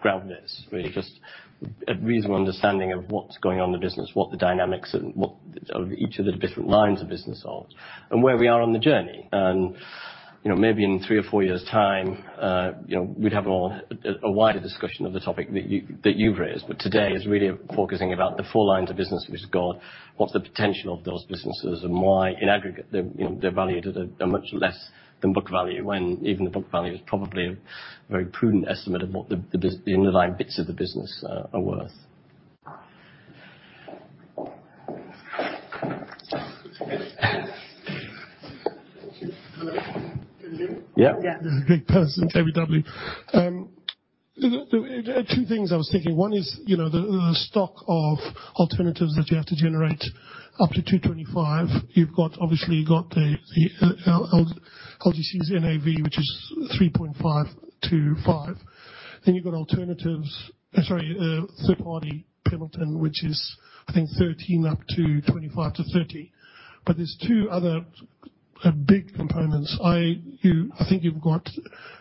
grab this, really. Just a reasonable understanding of what's going on in the business, what the dynamics are, what each of the different lines of business hold, and where we are on the journey. Maybe in three or four years time, we'd have a wider discussion of the topic that you've raised. Today is really focusing about the four lines of business we just got, what's the potential of those businesses, and why in aggregate they're valued at a much less than book value, when even the book value is probably a very prudent estimate of what the underlying bits of the business are worth. Hello. Can you hear me? Yeah. Yeah. Greig Paterson, KBW. Two things I was thinking. One is, the stock of alternatives that you have to generate up to 2025. You've obviously got the LGC's NAV, which is 3.5 billion. You've got third-party Pemberton, which is, I think, 13 billion up to 25 billion-30 billion. There's two other big components. I think you've got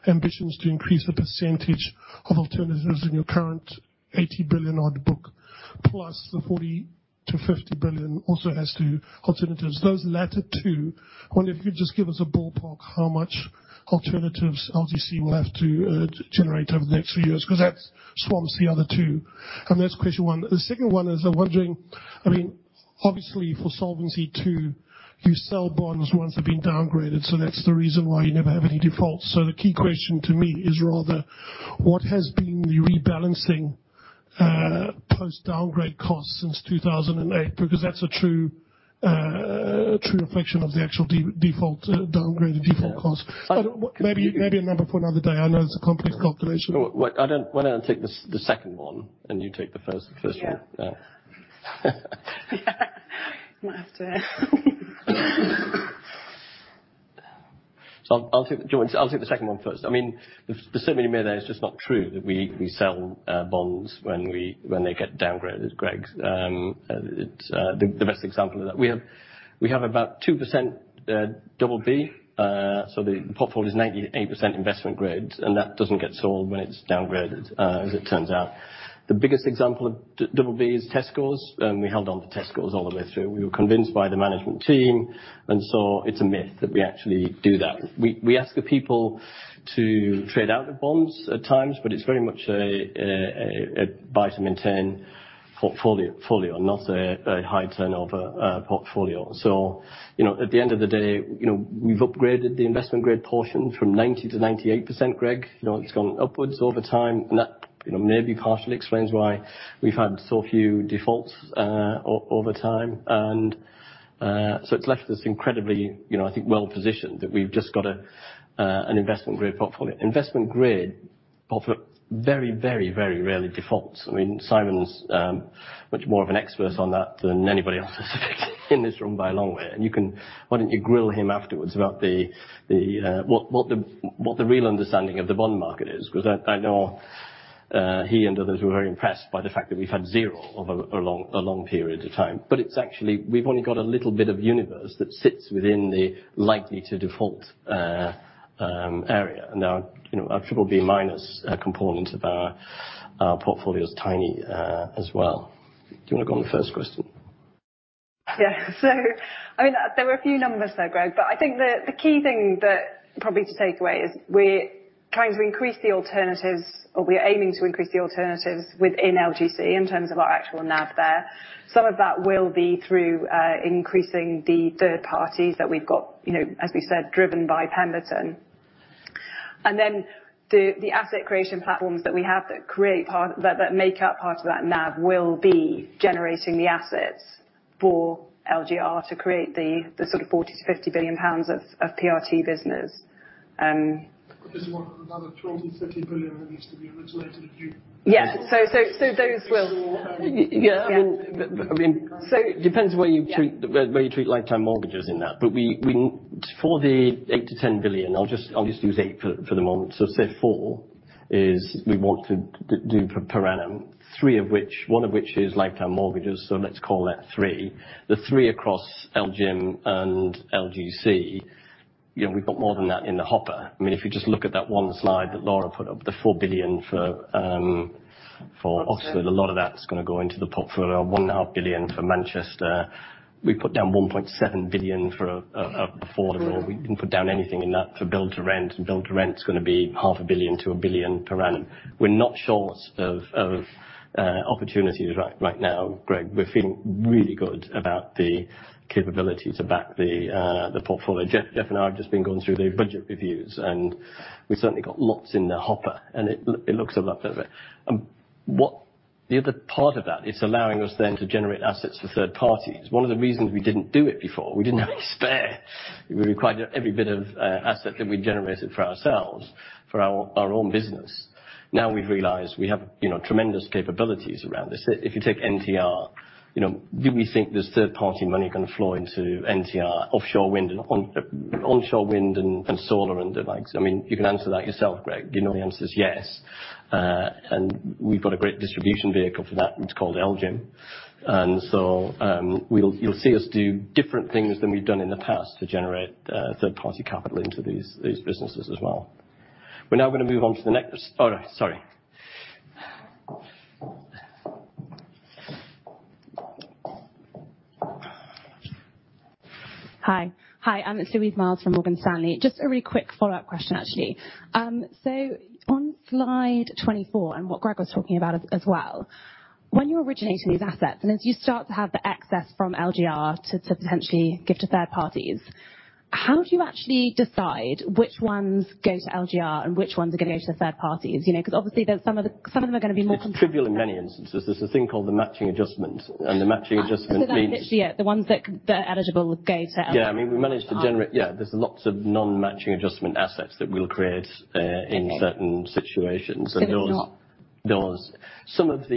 ambitions to increase the percentage of alternatives in your current 80 billion odd book, plus the 40 billion-50 billion also as to alternatives. Those latter two, I wonder if you could just give us a ballpark how much alternatives LGC will have to generate over the next few years, because that swamps the other two. That's question one. The second one is I'm wondering, obviously for Solvency II, you sell bonds once they've been downgraded, that's the reason why you never have any defaults. The key question to me is rather, what has been the rebalancing post-downgrade costs since 2008? That's a true reflection of the actual downgraded default cost. Yeah. Maybe a number for another day. I know it's a complex calculation. Why don't I take the second one, and you take the first one? Yeah. Yeah. Might have to. I'll take the second one first. To some degree, that is just not true, that we sell bonds when they get downgraded, Greig. The best example of that, we have about 2% BB. The portfolio is 98% investment grade, and that doesn't get sold when it's downgraded, as it turns out. The biggest example of BB is Tesco, and we held on to Tesco all the way through. We were convinced by the management team, and so it's a myth that we actually do that. We ask the people to trade out their bonds at times, but it's very much a buy-to-maintain portfolio. Not a high turnover portfolio. At the end of the day, we've upgraded the investment grade portion from 90%-98%, Greig. It's gone upwards over time, and that maybe partially explains why we've had so few defaults over time. It's left us incredibly, I think, well-positioned, that we've just got an investment grade portfolio. Investment grade very, very, very rarely defaults. Symon's much more of an expert on that than anybody else I suspect in this room by a long way. Why don't you grill him afterwards about what the real understanding of the bond market is? Because I know he and others were very impressed by the fact that we've had zero over a long period of time. It's actually, we've only got a little bit of universe that sits within the likely to default area. Our BBB minus component of our portfolio is tiny as well. Do you want to go on the first question? Yeah. There were a few numbers there, Greig, but I think the key thing probably to take away is we're trying to increase the alternatives, or we're aiming to increase the alternatives within LGC in terms of our actual NAV there. Some of that will be through increasing the third parties that we've got, as we said, driven by Pemberton. The asset creation platforms that we have that make up part of that NAV will be generating the assets for LGR to create the sort of 40 billion-50 billion pounds of PRT business. There's one another 20 billion, 30 billion that needs to be originated anew. Yeah. those will Yeah. Yeah. It depends where you treat lifetime mortgages in that. For the 8 billion-10 billion, I'll just use 8 billion for the moment. Say 4 billion is we want to do per annum. 1 million of which is lifetime mortgages, let's call that 3 million. The 3 billion across LGIM and LGC, we've got more than that in the hopper. If you just look at that one slide that Laura Mason put up, the 4 billion for Oxford, a lot of that's going to go into the portfolio. 1.5 billion for Manchester. We put down 1.7 billion for affordable. We didn't put down anything in that for build-to-rent, and build-to-rent's going to be 0.5 billion-1 billion per annum. We're not short of opportunities right now, Greig Paterson. We're feeling really good about the capability to back the portfolio. Jeff and I have just been going through the budget reviews, and we've certainly got lots in the hopper, and it looks a lot of it. The other part of that, it's allowing us then to generate assets for third parties. One of the reasons we didn't do it before, we didn't have any spare. We required every bit of asset that we generated for ourselves, for our own business. Now we've realized we have tremendous capabilities around this. If you take NTR, do we think there's third-party money going to flow into NTR, offshore wind and onshore wind and solar and the likes? You can answer that yourself, Greig. You know the answer is yes. We've got a great distribution vehicle for that. It's called LGIM. You'll see us do different things than we've done in the past to generate third-party capital into these businesses as well. We're now going to move on to the next. All right. Sorry. Hi. I'm Louise Miles from Morgan Stanley. A really quick follow-up question, actually. On slide 24, and what Greig was talking about as well, when you're originating these assets, and as you start to have the excess from LGR to potentially give to third parties, how do you actually decide which ones go to LGR and which ones are going to go to the third parties? Obviously some of them are going to be more. It's trivial in many instances. There's a thing called the matching adjustment, and the matching adjustment means. That's literally, yeah, the ones that are eligible go to... Yeah. We managed to generate. There's lots of non-matching adjustment assets that we'll create in certain situations. Some of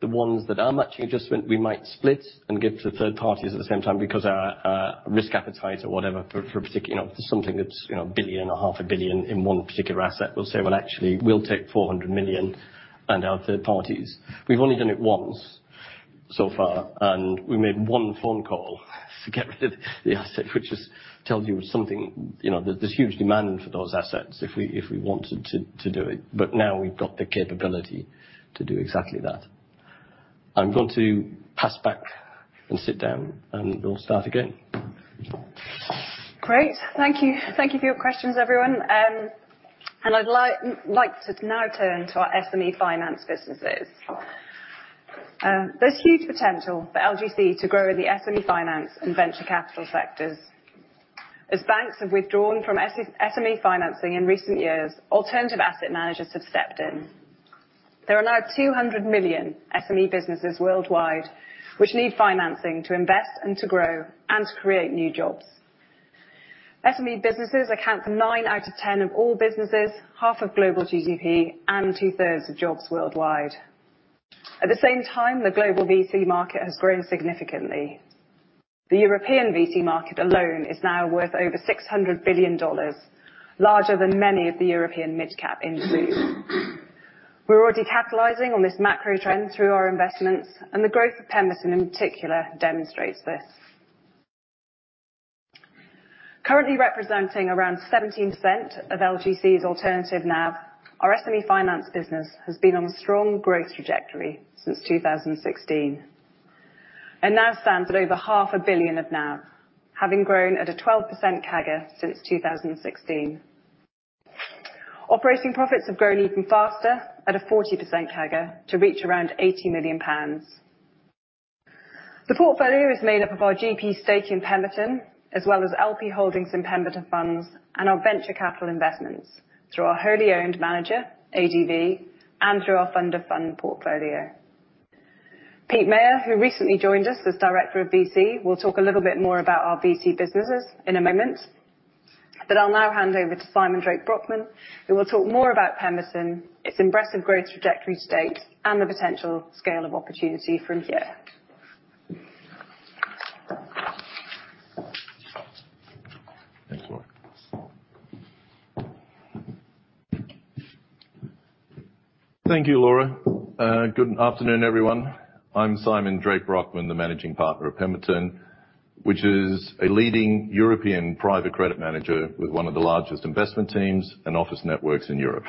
the ones that are matching adjustment, we might split and give to third parties at the same time because our risk appetite or whatever for a particular something that's 1 billion, 0.5 billion In one particular asset, we'll say, Well, actually, we'll take 400 million and our third parties. We've only done it once so far, and we made one phone call to get rid of the asset, which just tells you something. There's huge demand for those assets if we wanted to do it. Now we've got the capability to do exactly that. I'm going to pass back and sit down, and we'll start again. Great. Thank you. Thank you for your questions, everyone. I'd like to now turn to our SME Finance businesses. There's huge potential for LGC to grow in the SME Finance and venture capital sectors. As banks have withdrawn from SME financing in recent years, alternative asset managers have stepped in. There are now 200 million SME businesses worldwide, which need financing to invest and to grow and to create new jobs. SME businesses account for 9 out of 10 of all businesses, half of global GDP, and two-thirds of jobs worldwide. At the same time, the global VC market has grown significantly. The European VC market alone is now worth over $600 billion, larger than many of the European midcap indices. We're already capitalizing on this macro trend through our investments, and the growth of Pemberton in particular demonstrates this. Currently representing around 17% of LGC's alternative NAV, our SME Finance business has been on a strong growth trajectory since 2016 and now stands at over half a billion of NAV, having grown at a 12% CAGR since 2016. Operating profits have grown even faster at a 40% CAGR to reach around 80 million pounds. The portfolio is made up of our GP stake in Pemberton, as well as LP holdings in Pemberton funds and our venture capital investments through our wholly owned manager, ADV, and through our fund of fund portfolio. Pete Maher, who recently joined us as Director of VC, will talk a little bit more about our VC businesses in a moment. I'll now hand over to Symon Drake-Brockman, who will talk more about Pemberton, its impressive growth trajectory to date, and the potential scale of opportunity from here. Thanks, Laura. Thank you, Laura. Good afternoon, everyone. I'm Symon Drake-Brockman, the Managing Partner of Pemberton, which is a leading European private credit manager with one of the largest investment teams and office networks in Europe.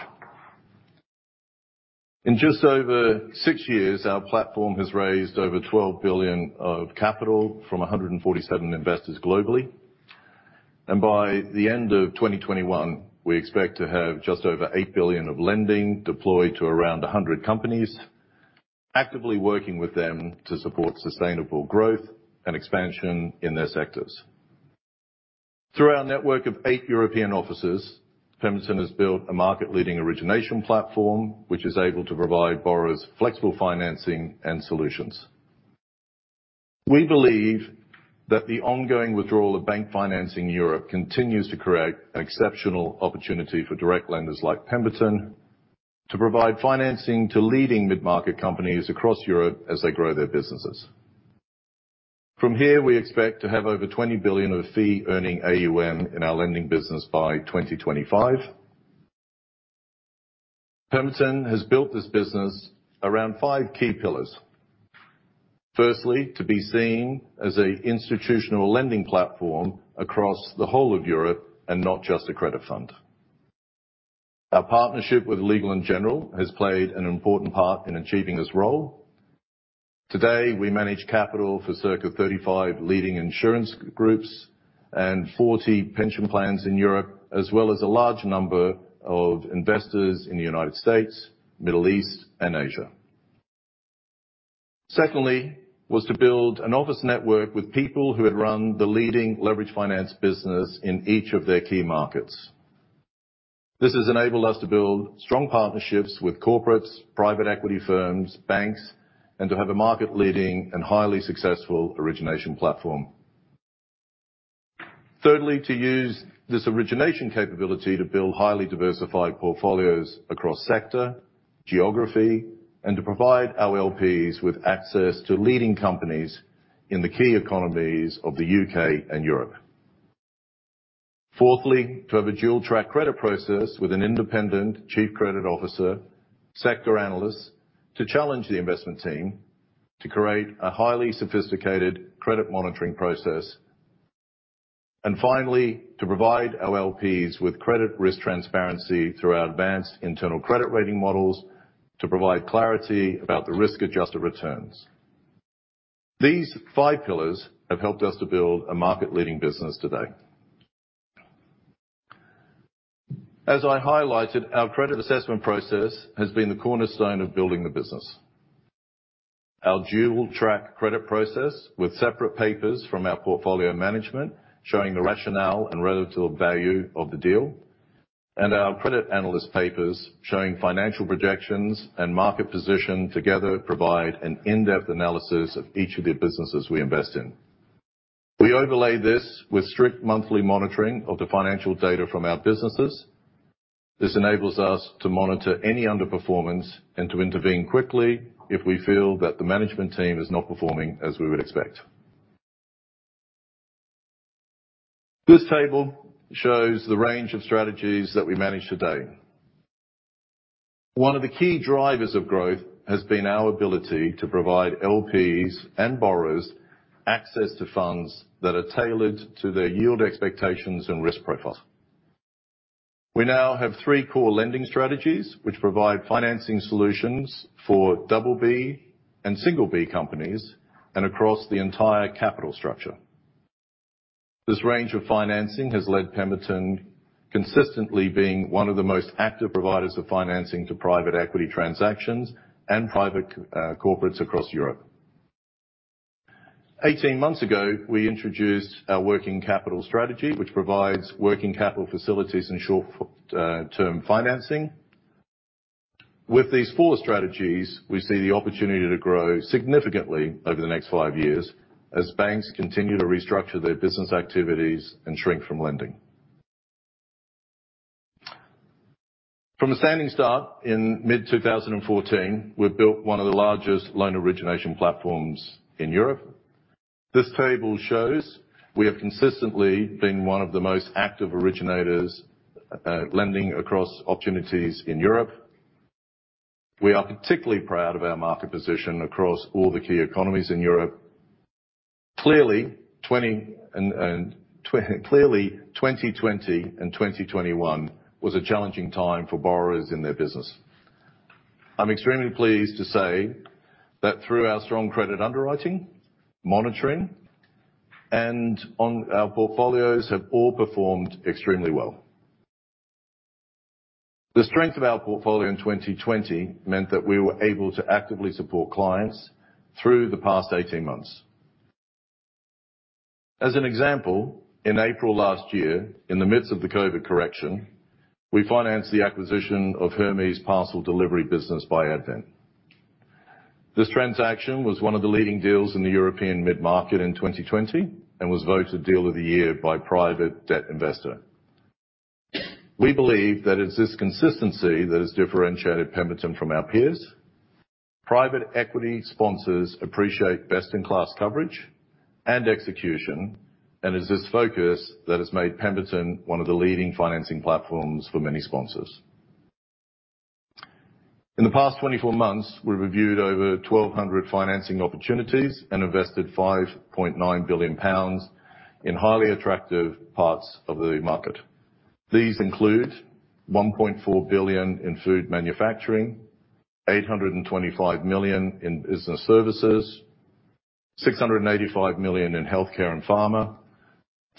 In just over six years, our platform has raised over 12 billion of capital from 147 investors globally. By the end of 2021, we expect to have just over 8 billion of lending deployed to around 100 companies, actively working with them to support sustainable growth and expansion in their sectors. Through our network of eight European offices, Pemberton has built a market-leading origination platform, which is able to provide borrowers flexible financing and solutions. We believe that the ongoing withdrawal of bank financing Europe continues to create an exceptional opportunity for direct lenders like Pemberton to provide financing to leading mid-market companies across Europe as they grow their businesses. From here, we expect to have over 20 billion of fee earning AUM in our lending business by 2025. Pemberton has built this business around five key pillars. Firstly, to be seen as a institutional lending platform across the whole of Europe and not just a credit fund. Our partnership with Legal & General has played an important part in achieving this role. Today, we manage capital for circa 35 leading insurance groups and 40 pension plans in Europe, as well as a large number of investors in the U.S., Middle East, and Asia. Secondly, was to build an office network with people who had run the leading leverage finance business in each of their key markets. This has enabled us to build strong partnerships with corporates, private equity firms, banks, and to have a market-leading and highly successful origination platform. Thirdly, to use this origination capability to build highly diversified portfolios across sector, geography, and to provide our LPs with access to leading companies in the key economies of the U.K. and Europe. Fourthly, to have a dual-track credit process with an independent chief credit officer, sector analysts, to challenge the investment team, to create a highly sophisticated credit monitoring process. Finally, to provide our LPs with credit risk transparency through our advanced internal credit rating models, to provide clarity about the risk-adjusted returns. These five pillars have helped us to build a market-leading business today. As I highlighted, our credit assessment process has been the cornerstone of building the business. Our dual-track credit process with separate papers from our portfolio management showing the rationale and relative value of the deal, and our credit analyst papers showing financial projections and market position together provide an in-depth analysis of each of the businesses we invest in. We overlay this with strict monthly monitoring of the financial data from our businesses. This enables us to monitor any underperformance and to intervene quickly if we feel that the management team is not performing as we would expect. This table shows the range of strategies that we manage today. One of the key drivers of growth has been our ability to provide LPs and borrowers access to funds that are tailored to their yield expectations and risk profile. We now have three core lending strategies, which provide financing solutions for BB and B companies, and across the entire capital structure. This range of financing has led Pemberton consistently being one of the most active providers of financing to private equity transactions and private corporates across Europe. 18 months ago, we introduced our working capital strategy, which provides working capital facilities and short-term financing. With these four strategies, we see the opportunity to grow significantly over the next five years as banks continue to restructure their business activities and shrink from lending. From a standing start in mid-2014, we've built one of the largest loan origination platforms in Europe. This table shows we have consistently been one of the most active originators, lending across opportunities in Europe. We are particularly proud of our market position across all the key economies in Europe. Clearly, 2020 and 2021 was a challenging time for borrowers in their business. I'm extremely pleased to say that through our strong credit underwriting, monitoring, and on our portfolios have all performed extremely well. The strength of our portfolio in 2020 meant that we were able to actively support clients through the past 18 months. As an example, in April last year, in the midst of the COVID correction, we financed the acquisition of Hermes parcel delivery business by Advent. This transaction was one of the leading deals in the European mid-market in 2020 and was voted Deal of the Year by Private Debt Investor. We believe that it's this consistency that has differentiated Pemberton from our peers. It's this focus that has made Pemberton one of the leading financing platforms for many sponsors. In the past 24 months, we've reviewed over 1,200 financing opportunities and invested 5.9 billion pounds in highly attractive parts of the market. These include 1.4 billion in food manufacturing, 825 million in business services, 685 million in healthcare and pharma,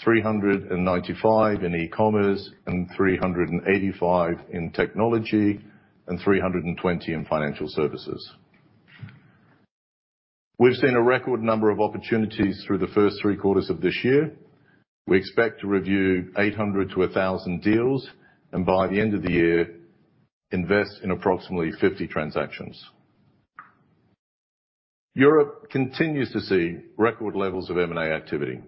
395 million in e-commerce, and 385 million in technology, and 320 million in financial services. We've seen a record number of opportunities through the first three quarters of this year. We expect to review 800-1,000 deals, and by the end of the year, invest in approximately 50 transactions. Europe continues to see record levels of M&A activity,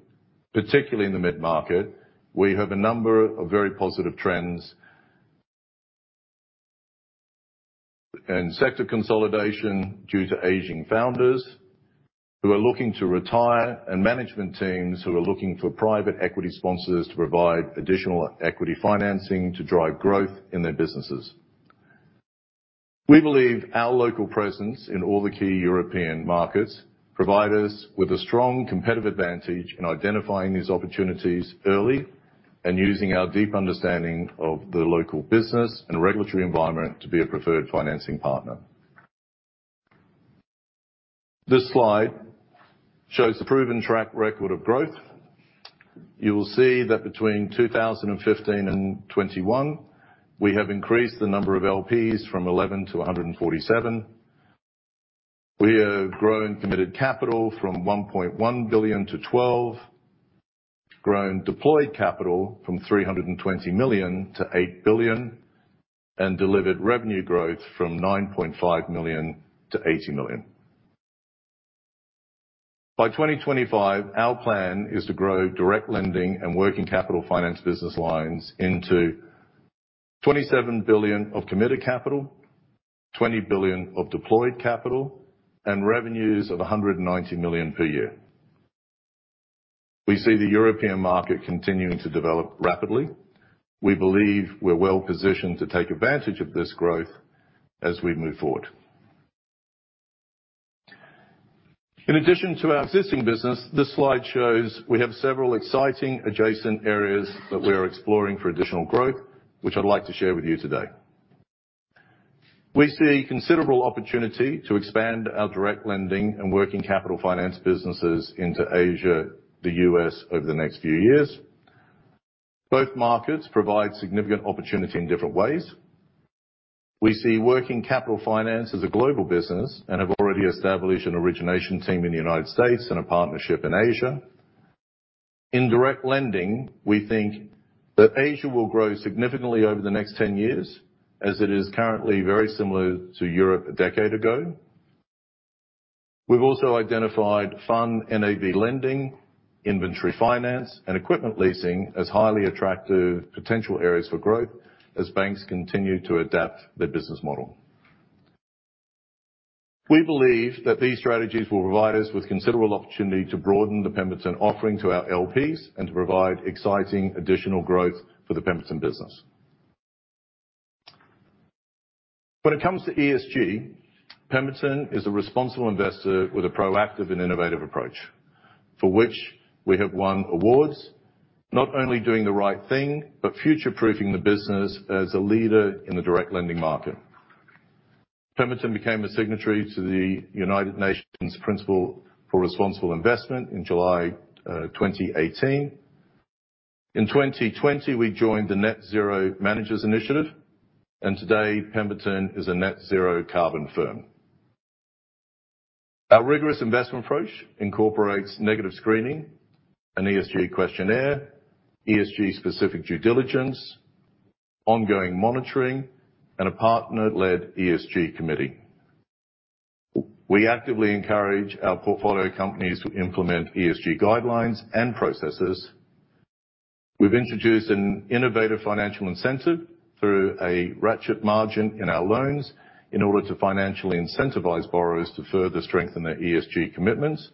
particularly in the mid-market, where you have a number of very positive trends and sector consolidation due to aging founders who are looking to retire and management teams who are looking for private equity sponsors to provide additional equity financing to drive growth in their businesses. We believe our local presence in all the key European markets provide us with a strong competitive advantage in identifying these opportunities early and using our deep understanding of the local business and regulatory environment to be a preferred financing partner. This slide shows the proven track record of growth. You will see that between 2015 and 2021, we have increased the number of LPs from 11 to 147. We have grown committed capital from 1.1 billion to 12 billion, grown deployed capital from 320 million to 8 billion, and delivered revenue growth from 9.5 million to 80 million. By 2025, our plan is to grow direct lending and working capital finance business lines into 27 billion of committed capital, 20 billion of deployed capital, and revenues of 190 million per year. We see the European market continuing to develop rapidly. We believe we're well-positioned to take advantage of this growth as we move forward. In addition to our existing business, this slide shows we have several exciting adjacent areas that we are exploring for additional growth, which I'd like to share with you today. We see considerable opportunity to expand our direct lending and working capital finance businesses into Asia, the U.S. over the next few years. Both markets provide significant opportunity in different ways. We see working capital finance as a global business and have already established an origination team in the United States and a partnership in Asia. In direct lending, we think that Asia will grow significantly over the next 10 years, as it is currently very similar to Europe a decade ago. We've also identified fund NAV lending, inventory finance, and equipment leasing as highly attractive potential areas for growth as banks continue to adapt their business model. We believe that these strategies will provide us with considerable opportunity to broaden the Pemberton offering to our LPs and to provide exciting additional growth for the Pemberton business. When it comes to ESG, Pemberton is a responsible investor with a proactive and innovative approach for which we have won awards, not only doing the right thing, but future-proofing the business as a leader in the direct lending market. Pemberton became a signatory to the United Nations Principles for Responsible Investment in July 2018. In 2020, we joined the Net Zero Managers initiative, today, Pemberton is a net zero carbon firm. Our rigorous investment approach incorporates negative screening, an ESG questionnaire, ESG-specific due diligence, ongoing monitoring, and a partner-led ESG committee. We actively encourage our portfolio companies to implement ESG guidelines and processes. We've introduced an innovative financial incentive through a ratchet margin in our loans in order to financially incentivize borrowers to further strengthen their ESG commitments.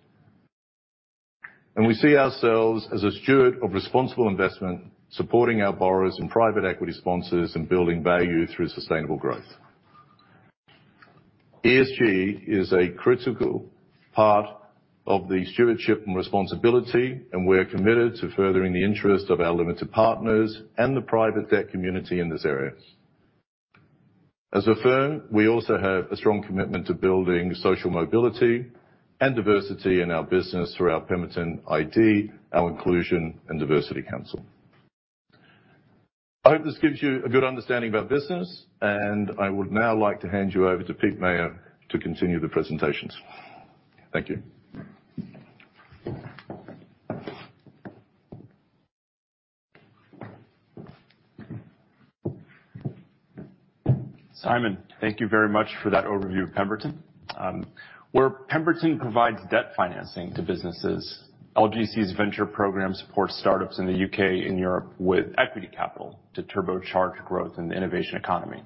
We see ourselves as a steward of responsible investment, supporting our borrowers and private equity sponsors in building value through sustainable growth. ESG is a critical part of the stewardship and responsibility, and we're committed to furthering the interest of our limited partners and the private debt community in this area. As a firm, we also have a strong commitment to building social mobility and diversity in our business through our PembertonID, our Inclusion and Diversity Council. I hope this gives you a good understanding of our business, and I would now like to hand you over to Pete Maher to continue the presentations. Thank you. Symon, thank you very much for that overview of Pemberton. Where Pemberton provides debt financing to businesses, LGC's venture program supports startups in the U.K. and Europe with equity capital to turbocharge growth in the innovation economy.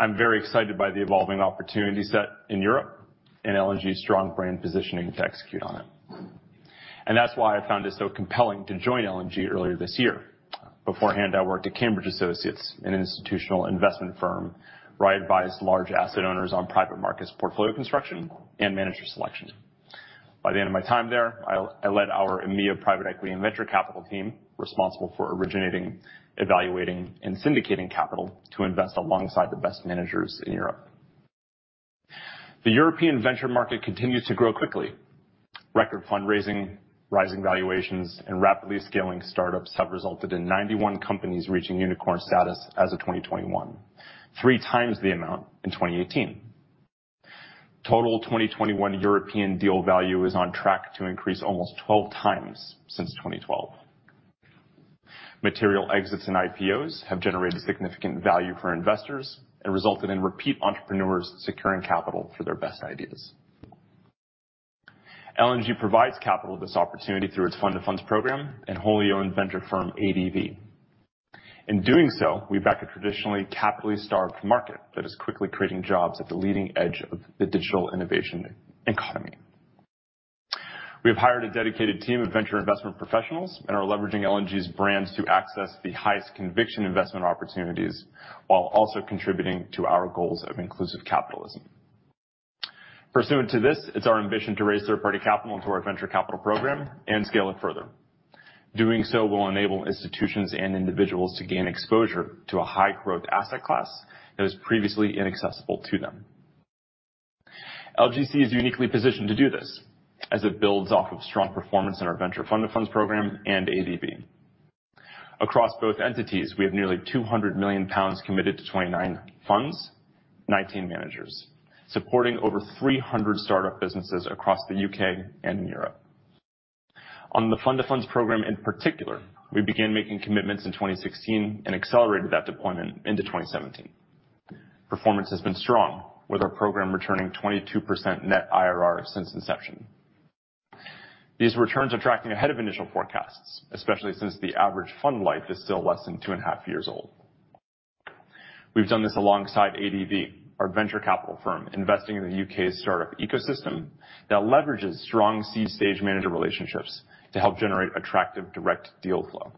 I'm very excited by the evolving opportunity set in Europe and LGC's strong brand positioning to execute on it. That's why I found it so compelling to join L&G earlier this year. Beforehand, I worked at Cambridge Associates, an institutional investment firm where I advised large asset owners on private markets portfolio construction and manager selection. By the end of my time there, I led our EMEA private equity and venture capital team responsible for originating, evaluating, and syndicating capital to invest alongside the best managers in Europe. The European venture market continues to grow quickly. Record fundraising, rising valuations, and rapidly scaling startups have resulted in 91 companies reaching unicorn status as of 2021, 3x the amount in 2018. Total 2021 European deal value is on track to increase almost 12x since 2012. Material exits and IPOs have generated significant value for investors and resulted in repeat entrepreneurs securing capital for their best ideas. L&G provides capital to this opportunity through its fund of funds program and wholly owned venture firm, ADV. In doing so, we back a traditionally capitally starved market that is quickly creating jobs at the leading edge of the digital innovation economy. We have hired a dedicated team of venture investment professionals and are leveraging L&G's brands to access the highest conviction investment opportunities, while also contributing to our goals of inclusive capitalism. Pursuant to this, it's our ambition to raise third-party capital into our venture capital program and scale it further. Doing so will enable institutions and individuals to gain exposure to a high-growth asset class that was previously inaccessible to them. LGC is uniquely positioned to do this, as it builds off of strong performance in our venture fund of funds program and ADV. Across both entities, we have nearly 200 million pounds committed to 29 funds, 19 managers, supporting over 300 startup businesses across the U.K. and in Europe. On the fund of funds program, in particular, we began making commitments in 2016 and accelerated that deployment into 2017. Performance has been strong, with our program returning 22% net IRR since inception. These returns are tracking ahead of initial forecasts, especially since the average fund life is still less than two and a half years old. We've done this alongside ADV, our venture capital firm, investing in the U.K.'s startup ecosystem that leverages strong seed-stage manager relationships to help generate attractive direct deal flow.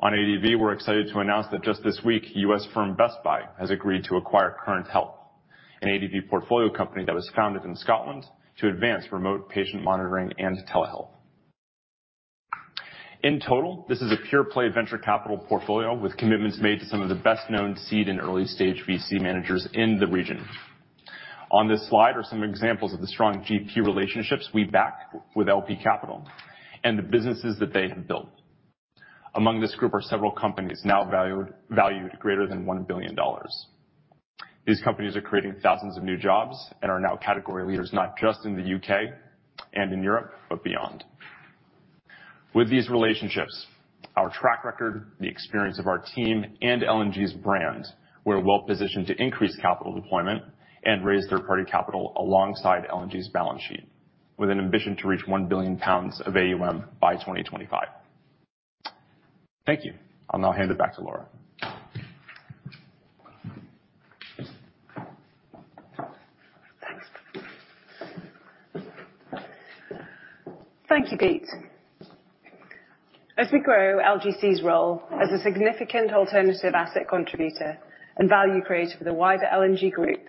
On ADV, we're excited to announce that just this week, U.S. firm Best Buy has agreed to acquire Current Health, an ADV portfolio company that was founded in Scotland to advance remote patient monitoring and telehealth. In total, this is a pure-play venture capital portfolio with commitments made to some of the best-known seed and early-stage VC managers in the region. On this slide are some examples of the strong GP relationships we back with LP Capital and the businesses that they have built. Among this group are several companies now valued greater than $1 billion. These companies are creating thousands of new jobs and are now category leaders, not just in the U.K. and in Europe, but beyond. With these relationships, our track record, the experience of our team, and L&G's brand, we're well positioned to increase capital deployment and raise third-party capital alongside L&G's balance sheet with an ambition to reach 1 billion pounds of AUM by 2025. Thank you. I'll now hand it back to Laura. Thanks. Thank you, Pete. As we grow LGC's role as a significant alternative asset contributor and value creator for the wider L&G Group,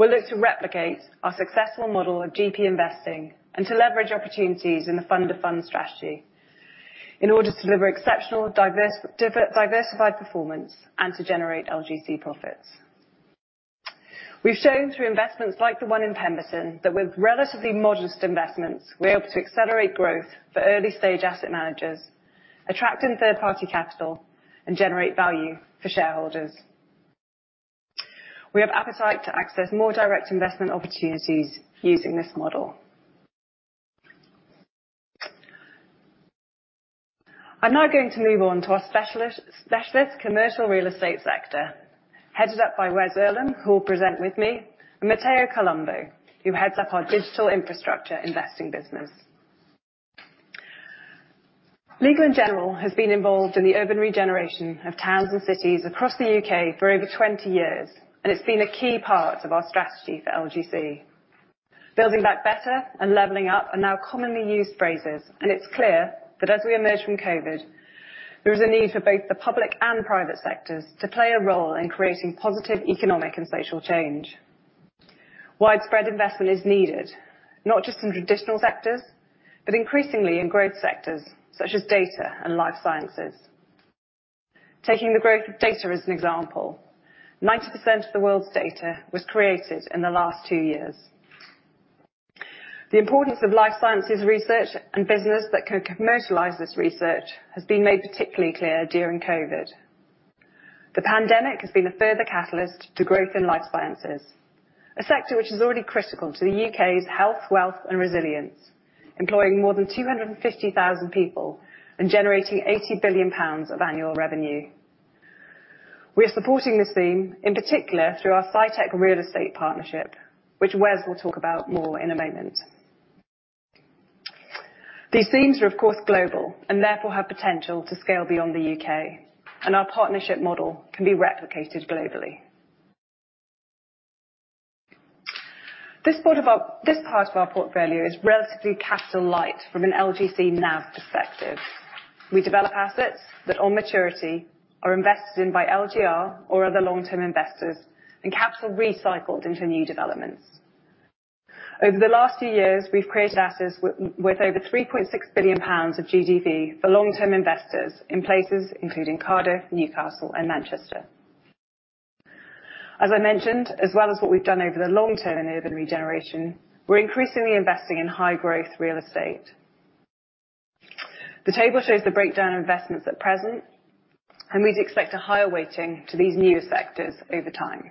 we'll look to replicate our successful model of GP investing and to leverage opportunities in the fund of funds strategy in order to deliver exceptional diversified performance and to generate LGC profits. We've shown through investments like the one in Pemberton that with relatively modest investments, we're able to accelerate growth for early-stage asset managers, attract in third-party capital, and generate value for shareholders. We have appetite to access more direct investment opportunities using this model. I'm now going to move on to our Specialist Commercial Real Estate sector, headed up by Wes Erlam, who will present with me, and Matteo Colombo, who heads up our Digital Infrastructure investing business. Legal & General has been involved in the urban regeneration of towns and cities across the U.K. for over 20 years, and it's been a key part of our strategy for LGC. Building back better and leveling up are now commonly used phrases, and it's clear that as we emerge from COVID, there is a need for both the public and private sectors to play a role in creating positive economic and social change. Widespread investment is needed, not just in traditional sectors, but increasingly in growth sectors such as data and life sciences. Taking the growth of data as an example, 90% of the world's data was created in the last two years. The importance of life sciences research and business that could commercialize this research has been made particularly clear during COVID. The pandemic has been a further catalyst to growth in life sciences, a sector which is already critical to the U.K.'s health, wealth, and resilience, employing more than 250,000 people and generating 80 billion pounds of annual revenue. We are supporting this theme, in particular through our SciTech real estate, which Wes will talk about more in a moment. These themes are, of course, global, and therefore have potential to scale beyond the U.K., and our partnership model can be replicated globally. This part of our portfolio is relatively capital light from an LGC NAV perspective. We develop assets that on maturity are invested in by LGR or other long-term investors and capital recycled into new developments. Over the last two years, we've created assets with over 3.6 billion pounds of GDV for long-term investors in places including Cardiff, Newcastle, and Manchester. As I mentioned, as well as what we've done over the long term in urban regeneration, we're increasingly investing in high-growth real estate. The table shows the breakdown of investments at present, and we'd expect a higher weighting to these newer sectors over time.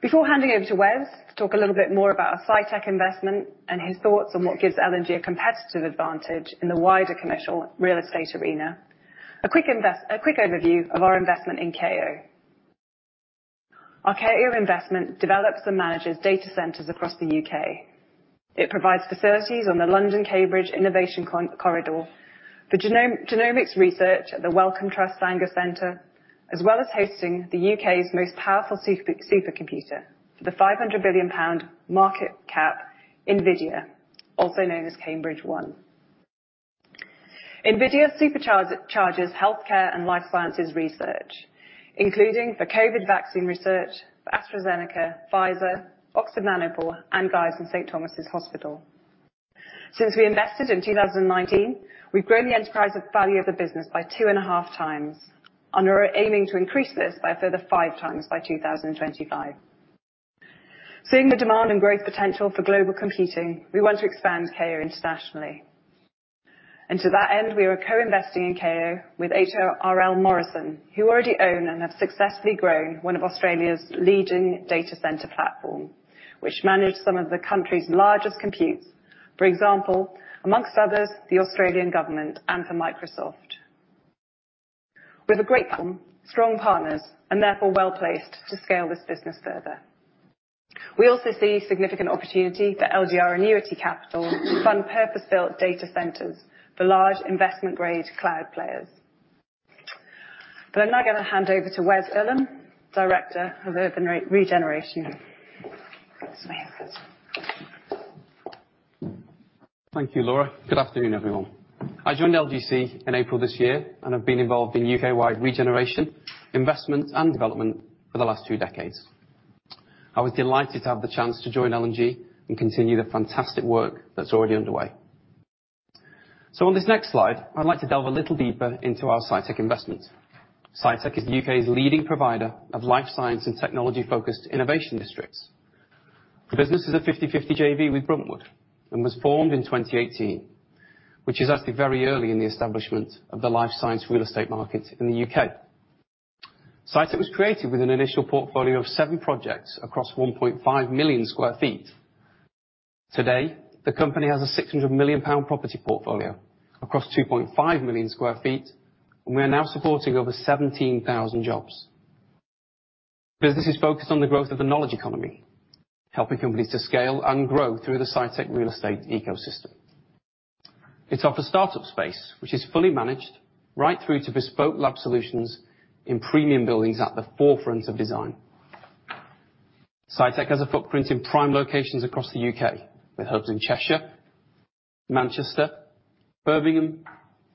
Before handing over to Wes to talk a little bit more about our SciTech investment and his thoughts on what gives L&G a competitive advantage in the wider commercial real estate arena, a quick overview of our investment in Kao. Our Kao investment develops and manages data centers across the U.K. It provides facilities on the London-Cambridge Innovation Corridor, the genomics research at the Wellcome Sanger Institute, as well as hosting the U.K.'s most powerful supercomputer for the 500 billion pound market cap NVIDIA, also known as Cambridge-1. NVIDIA supercharges healthcare and life sciences research, including for COVID vaccine research for AstraZeneca, Pfizer, Oxford Nanopore, and Guy's and St Thomas' Hospital. Since we invested in 2019, we've grown the enterprise value of the business by two and a half times, and we're aiming to increase this by a further 5 times by 2025. Seeing the demand and growth potential for global computing, we want to expand Kao internationally. To that end, we are co-investing in Kao with HRL Morrison, who already own and have successfully grown one of Australia's leading data center platform, which managed some of the country's largest computes, for example, amongst others, the Australian government and for Microsoft. With a great platform, strong partners, and therefore well-placed to scale this business further. We also see significant opportunity for LGR annuity capital to fund purpose-built data centers for large investment-grade cloud players. I'm now going to hand over to Wes Erlam, Director of Urban Regeneration. Wes, go ahead. Thank you, Laura. Good afternoon, everyone. I joined LGC in April this year, and I've been involved in U.K.-wide regeneration, investment, and development for the last two decades. I was delighted to have the chance to join L&G and continue the fantastic work that's already underway. On this next slide, I'd like to delve a little deeper into our SciTech investment. SciTech is the U.K.'s leading provider of life science and technology-focused innovation districts. The business is a 50/50 JV with Bruntwood, and was formed in 2018, which is actually very early in the establishment of the life science real estate market in the U.K. SciTech was created with an initial portfolio of seven projects across 1.5 million sq ft. Today, the company has a 600 million pound property portfolio across 2.5 million sq ft, and we are now supporting over 17,000 jobs. Business is focused on the growth of the knowledge economy, helping companies to scale and grow through the SciTech real estate ecosystem. It's off a startup space, which is fully managed, right through to bespoke lab solutions in premium buildings at the forefront of design. SciTech has a footprint in prime locations across the U.K., with hubs in Cheshire, Manchester, Birmingham,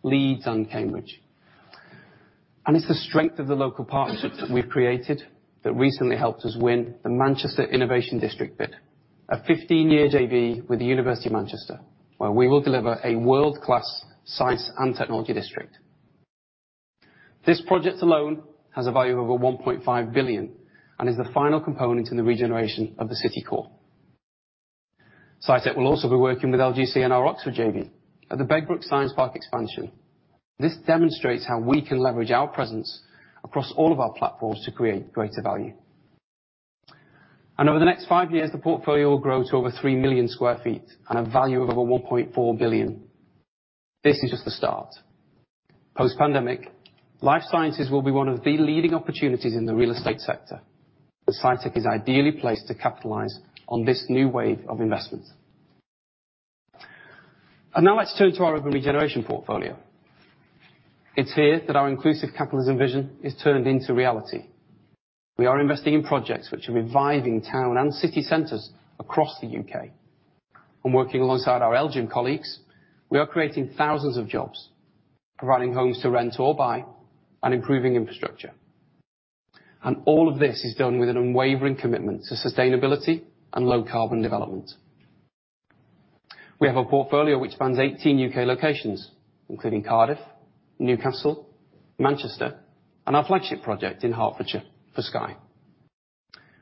Leeds, and Cambridge. It's the strength of the local partnerships that we've created that recently helped us win the Manchester Innovation District bid, a 15-year JV with The University of Manchester, where we will deliver a world-class science and technology district. This project alone has a value of over 1.5 billion and is the final component in the regeneration of the city core. SciTech will also be working with LGC and our Oxford JV at the Begbroke Science Park expansion. This demonstrates how we can leverage our presence across all of our platforms to create greater value. Over the next 5 years, the portfolio will grow to over 3 million sq ft and a value of over 1.4 billion. This is just the start. Post-pandemic, life sciences will be one of the leading opportunities in the real estate sector, but SciTech is ideally placed to capitalize on this new wave of investment. Now let's turn to our urban regeneration portfolio. It's here that our inclusive capitalism vision is turned into reality. We are investing in projects which are reviving town and city centers across the U.K. Working alongside our LGIM colleagues, we are creating thousands of jobs, providing homes to rent or buy, and improving infrastructure. All of this is done with an unwavering commitment to sustainability and low carbon development. We have a portfolio which spans 18 U.K. locations, including Cardiff, Newcastle, Manchester, and our flagship project in Hertfordshire for Sky.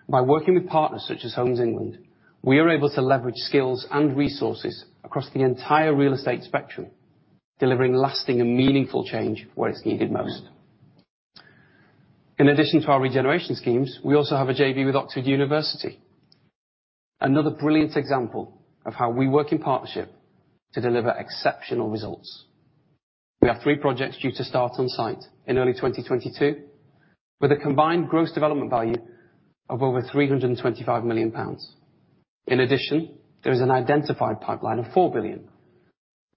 By working with partners such as Homes England, we are able to leverage skills and resources across the entire real estate spectrum, delivering lasting and meaningful change where it's needed most. In addition to our regeneration schemes, we also have a JV with University of Oxford. Another brilliant example of how we work in partnership to deliver exceptional results. We have three projects due to start on site in early 2022 with a combined gross development value of over 325 million pounds. In addition, there is an identified pipeline of 4 billion,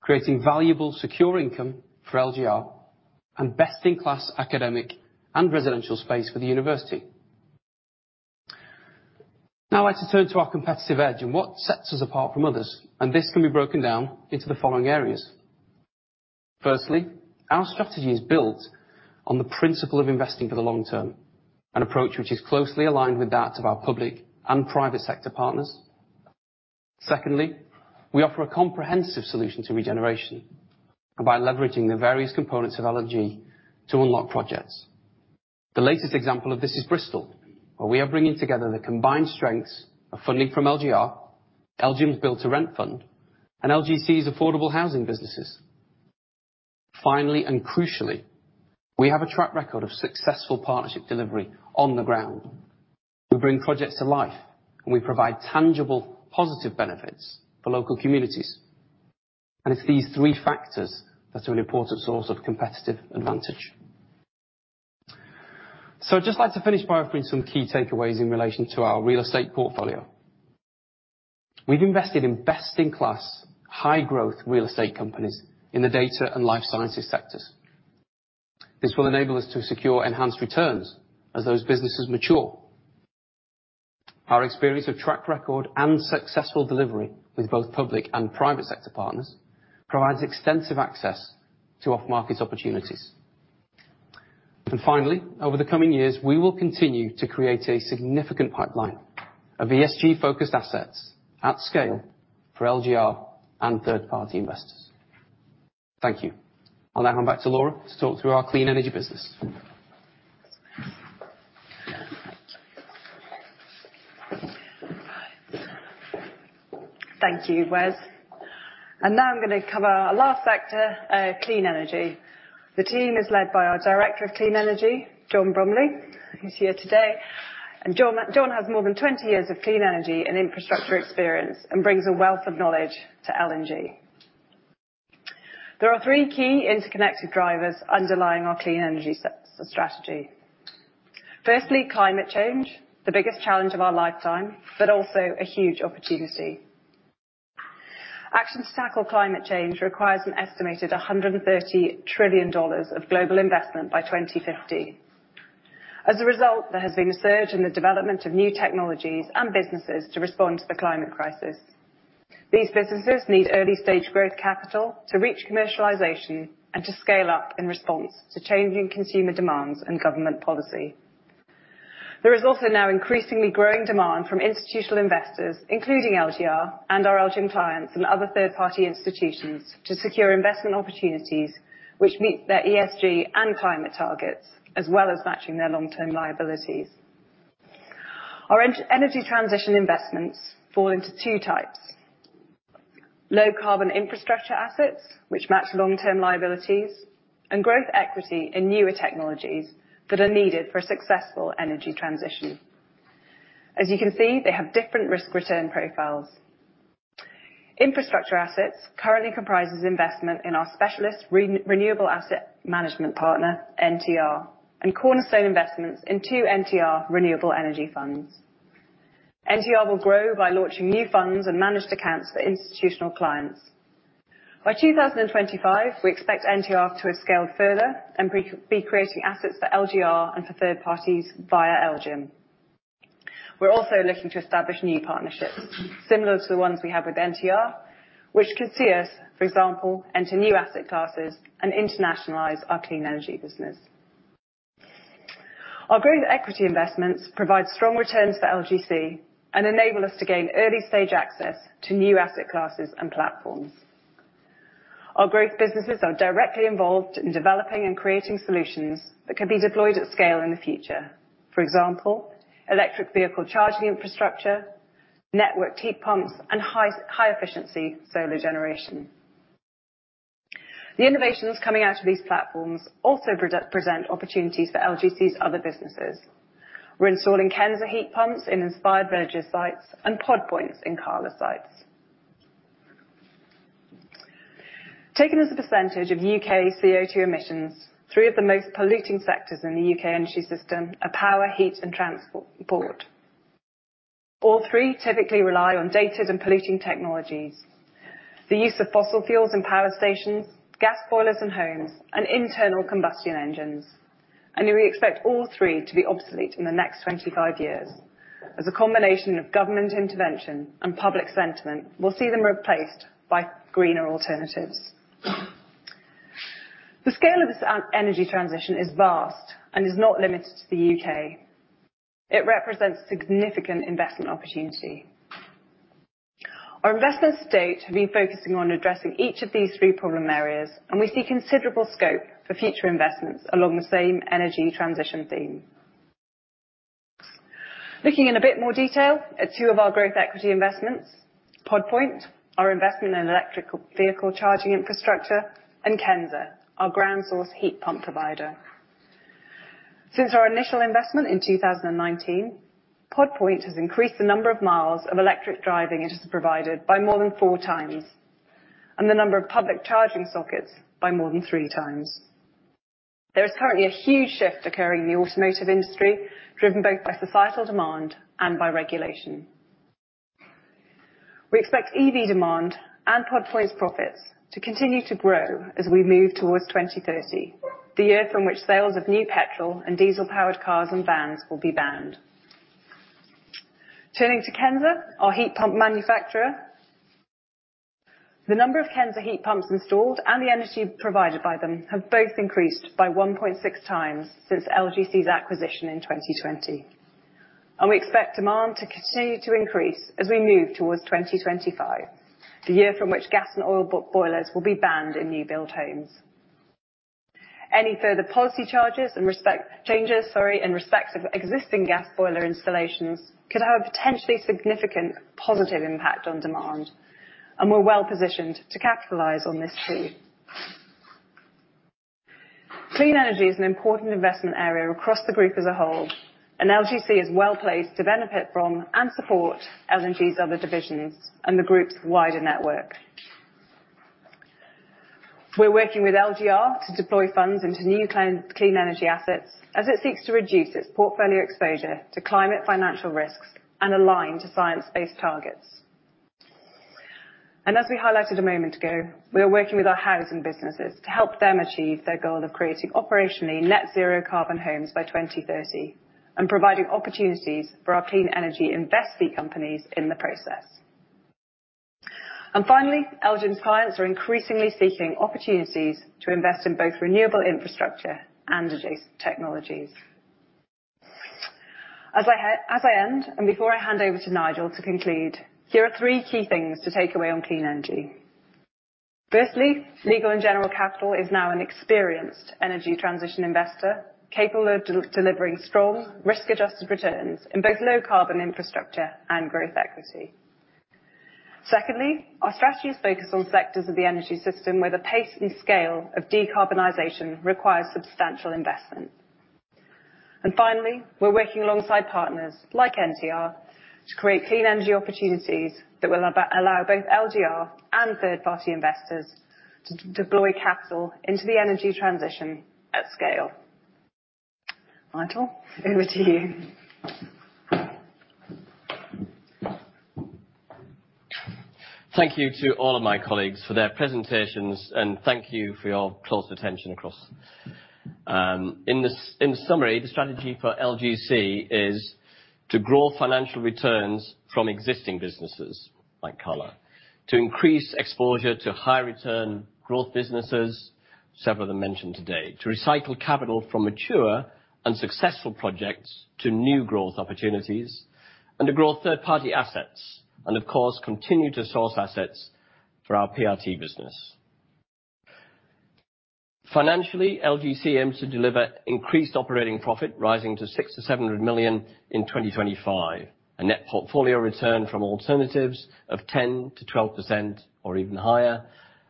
creating valuable secure income for LGR and best-in-class academic and residential space for the university. I'd like to turn to our competitive edge and what sets us apart from others. This can be broken down into the following areas. Firstly, our strategy is built on the principle of investing for the long term, an approach which is closely aligned with that of our public and private sector partners. Secondly, we offer a comprehensive solution to regeneration by leveraging the various components of L&G to unlock projects. The latest example of this is Bristol, where we are bringing together the combined strengths of funding from LGR, LGIM's build-to-rent fund, and LGC's affordable housing businesses. Crucially, we have a track record of successful partnership delivery on the ground. We bring projects to life. We provide tangible, positive benefits for local communities. It's these three factors that are an important source of competitive advantage. I'd just like to finish by offering some key takeaways in relation to our real estate portfolio. We've invested in best-in-class, high-growth real estate companies in the data and life sciences sectors. This will enable us to secure enhanced returns as those businesses mature. Our experience of track record and successful delivery with both public and private sector partners provides extensive access to off-market opportunities. Finally, over the coming years, we will continue to create a significant pipeline of ESG-focused assets at scale for LGR and third-party investors. Thank you. I'll now hand back to Laura to talk through our Clean Energy business. Thank you. Right. Thank you, Wes. Now I'm going to cover our last sector, Clean Energy. The team is led by our Director of Clean Energy, John Bromley, who's here today. John has more than 20 years of clean energy and infrastructure experience and brings a wealth of knowledge to L&G. There are three key interconnected drivers underlying our clean energy strategy. Firstly, climate change, the biggest challenge of our lifetime, but also a huge opportunity. Action to tackle climate change requires an estimated GBP 130 trillion of global investment by 2050. As a result, there has been a surge in the development of new technologies and businesses to respond to the climate crisis. These businesses need early-stage growth capital to reach commercialization and to scale up in response to changing consumer demands and government policy. There is also now increasingly growing demand from institutional investors, including LGRI and our LGIM clients and other third-party institutions to secure investment opportunities which meet their ESG and climate targets, as well as matching their long-term liabilities. Our energy transition investments fall into two types: low carbon infrastructure assets, which match long-term liabilities, and growth equity in newer technologies that are needed for a successful energy transition. As you can see, they have different risk-return profiles. Infrastructure assets currently comprises investment in our specialist renewable asset management partner, NTR, and cornerstone investments in two NTR renewable energy funds. NTR will grow by launching new funds and managed accounts for institutional clients. By 2025, we expect NTR to have scaled further and be creating assets for LGR and for third parties via LGIM. We're also looking to establish new partnerships similar to the ones we have with NTR, which could see us, for example, enter new asset classes and internationalize our Clean Energy business. Our growth equity investments provide strong returns for LGC and enable us to gain early-stage access to new asset classes and platforms. Our growth businesses are directly involved in developing and creating solutions that can be deployed at scale in the future. For example, electric vehicle charging infrastructure, network heat pumps, and high-efficiency solar generation. The innovations coming out of these platforms also present opportunities for LGC's other businesses. We're installing Kensa heat pumps in Inspired Villages sites and Pod Points in Cala sites. Taken as a percentage of U.K. CO2 emissions, three of the most polluting sectors in the U.K. energy system are power, heat, and transport. All three typically rely on dated and polluting technologies. The use of fossil fuels in power stations, gas boilers in homes, and internal combustion engines, and we expect all three to be obsolete in the next 25 years as a combination of government intervention and public sentiment will see them replaced by greener alternatives. The scale of this energy transition is vast and is not limited to the U.K. It represents significant investment opportunity. Our investments to date have been focusing on addressing each of these three problem areas, and we see considerable scope for future investments along the same energy transition theme. Looking in a bit more detail at two of our growth equity investments, Pod Point, our investment in electrical vehicle charging infrastructure, and Kensa, our ground source heat pump provider. Since our initial investment in 2019, Pod Point has increased the number of miles of electric driving it has provided by more than 4x, and the number of public charging sockets by more than 3x. There is currently a huge shift occurring in the automotive industry, driven both by societal demand and by regulation. We expect EV demand and Pod Point's profits to continue to grow as we move towards 2030, the year from which sales of new petrol and diesel-powered cars and vans will be banned. Turning to Kensa, our heat pump manufacturer, the number of Kensa heat pumps installed and the energy provided by them have both increased by 1.6x since LGC's acquisition in 2020. We expect demand to continue to increase as we move towards 2025, the year from which gas and oil boilers will be banned in newly built homes. Any further policy charges and respect Changes, sorry, in respect of existing gas boiler installations could have a potentially significant positive impact on demand, and we're well-positioned to capitalize on this too. Clean energy is an important investment area across the group as a whole, and LGC is well-placed to benefit from and support L&G's other divisions and the group's wider network. We're working with LGR to deploy funds into new clean energy assets as it seeks to reduce its portfolio exposure to climate financial risks and align to science-based targets. As we highlighted a moment ago, we are working with our housing businesses to help them achieve their goal of creating operationally net zero carbon homes by 2030, and providing opportunities for our clean energy investee companies in the process. Finally, LGIM's clients are increasingly seeking opportunities to invest in both renewable infrastructure and adjacent technologies. As I end, and before I hand over to Nigel to conclude, here are three key things to take away on Clean Energy. Firstly, Legal & General Capital is now an experienced energy transition investor, capable of delivering strong, risk-adjusted returns in both low carbon infrastructure and growth equity. Secondly, our strategies focus on sectors of the energy system where the pace and scale of decarbonization requires substantial investment. Finally, we're working alongside partners like NTR to create clean energy opportunities that will allow both LGR and third-party investors to deploy capital into the energy transition at scale. Nigel, over to you. Thank you to all of my colleagues for their presentations, thank you for your close attention across. In summary, the strategy for LGC is to grow financial returns from existing businesses like Cala. To increase exposure to high return growth businesses, several of them mentioned today. To recycle capital from mature, unsuccessful projects to new growth opportunities, to grow third-party assets, of course, continue to source assets for our PRT business. Financially, LGC aims to deliver increased operating profit rising to 600 million-700 million in 2025. A net portfolio return from alternatives of 10%-12%, or even higher,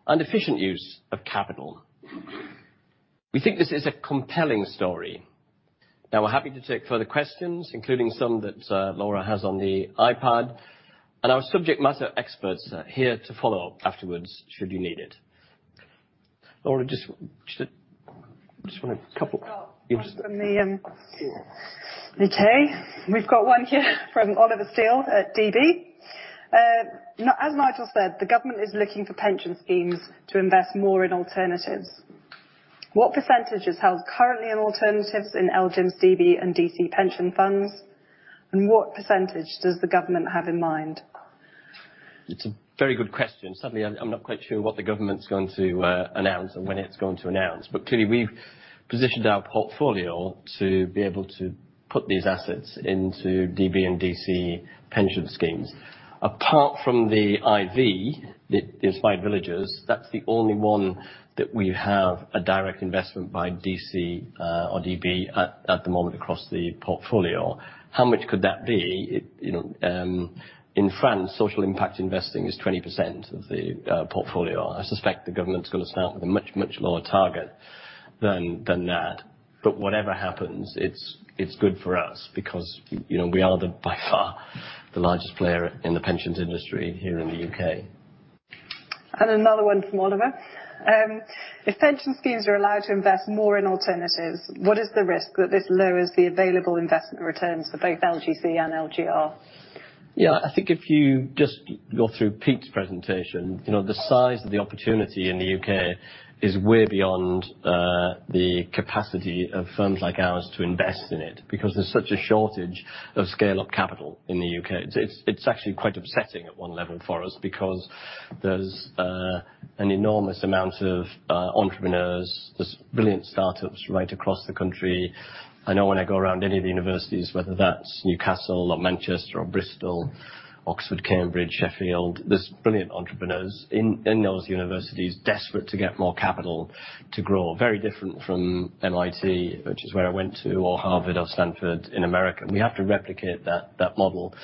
efficient use of capital. We think this is a compelling story. We're happy to take further questions, including some that Laura has on the iPad. Our subject matter experts are here to follow up afterwards, should you need it. Laura, just want a couple. We've got one from the U.K. We've got one here from Oliver Steel at DB. As Nigel said, the government is looking for pension schemes to invest more in alternatives. What percentage is held currently in alternatives in LGIM DB and DC pension funds, and what percentage does the government have in mind? It's a very good question. Suddenly, I'm not quite sure what the government's going to announce and when it's going to announce. Clearly, we've positioned our portfolio to be able to put these assets into DB and DC pension schemes. Apart from the IV, the Inspired Villages, that's the only 1 that we have a direct investment by DC or DB at the moment across the portfolio. How much could that be? In France, social impact investing is 20% of the portfolio. I suspect the government's going to start with a much, much lower target than that. Whatever happens, it's good for us because we are, by far, the largest player in the pensions industry here in the U.K. Another one from Oliver. If pension schemes are allowed to invest more in alternatives, what is the risk that this lowers the available investment returns for both LGC and LGR? Yeah. I think if you just go through Pete's presentation, the size of the opportunity in the U.K. is way beyond the capacity of firms like ours to invest in it. There's such a shortage of scale-up capital in the U.K. It's actually quite upsetting at one level for us because there's an enormous amount of entrepreneurs. There's brilliant startups right across the country. I know when I go around any of the universities, whether that's Newcastle or Manchester or Bristol, Oxford, Cambridge, Sheffield, there's brilliant entrepreneurs in those universities desperate to get more capital to grow. Very different from MIT, which is where I went to, or Harvard or Stanford in America. We have to replicate that model.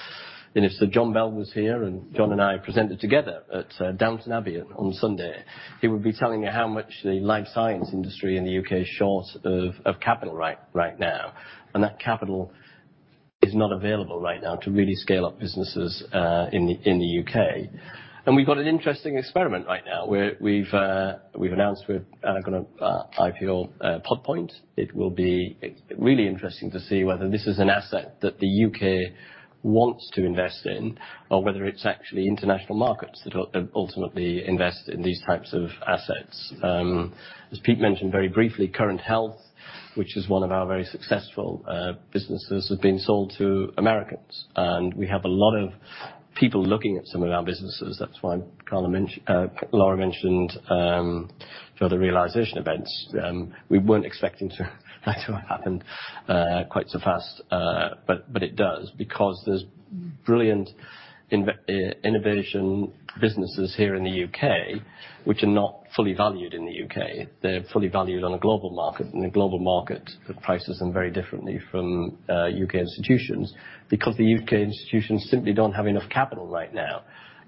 If Sir John Bell was here, John and I presented together at Downton Abbey on Sunday, he would be telling you how much the life science industry in the U.K. is short of capital right now. That capital is not available right now to really scale up businesses in the U.K. We've got an interesting experiment right now, where we've announced we're going to IPO Pod Point. It will be really interesting to see whether this is an asset that the U.K. wants to invest in, or whether it's actually international markets that ultimately invest in these types of assets. As Pete mentioned very briefly, Current Health, which is one of our very successful businesses, has been sold to Americans. We have a lot of people looking at some of our businesses. That's why Laura mentioned further realization events. We weren't expecting that to happen quite so fast. It does because there's brilliant innovation businesses here in the U.K. which are not fully valued in the U.K. They're fully valued on a global market, and the global market prices them very differently from U.K. institutions. The U.K. institutions simply don't have enough capital right now.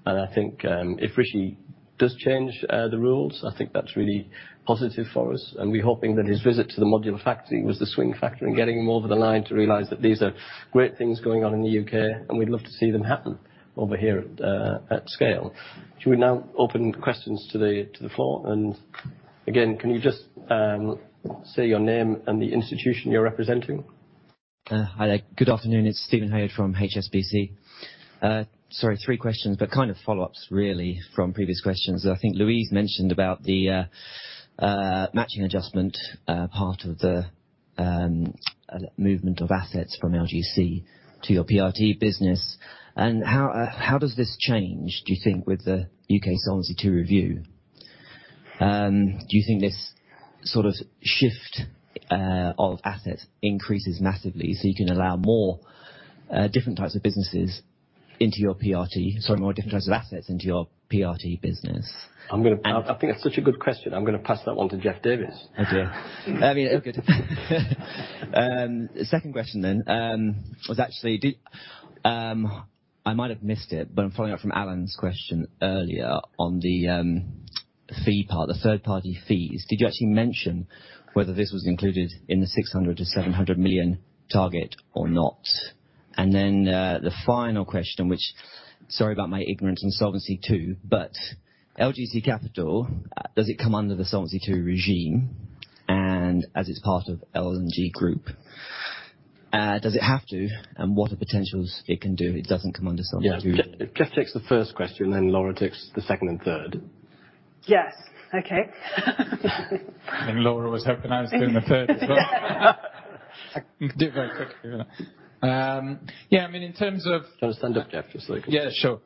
I think if Rishi does change the rules, I think that's really positive for us, and we're hoping that his visit to the modular factory was the swing factor in getting him over the line to realize that these are great things going on in the U.K., and we'd love to see them happen over here at scale. Should we now open questions to the floor? Again, can you just say your name and the institution you're representing? Hi there. Good afternoon. It's Steven Haywood from HSBC. Sorry, three questions, but kind of follow-ups really from previous questions. I think Louise mentioned about the matching adjustment part of the movement of assets from LGC to your PRT business. How does this change, do you think, with the U.K. Solvency II review? Do you think this sort of shift of asset increases massively so you can allow more different types of businesses into your PRT, sorry, more different types of assets into your PRT business? I think that's such a good question. I'm going to pass that one to Jeff Davies. Okay. Good. Second question was actually, I might have missed it, but I'm following up from Alan's question earlier on the fee part, the third-party fees. Did you actually mention whether this was included in the 600 million-700 million target or not? The final question, which, sorry about my ignorance in Solvency II, but LGC Capital, does it come under the Solvency II regime? As it's part of L&G Group, does it have to? What are potentials it can do if it doesn't come under Solvency II? Jeff takes the first question, then Laura takes the second and third. Yes. Okay. Laura was hoping I was doing the third as well. I can do it very quickly. Do you want to stand up, Jeff, just so they can- Yeah, sure.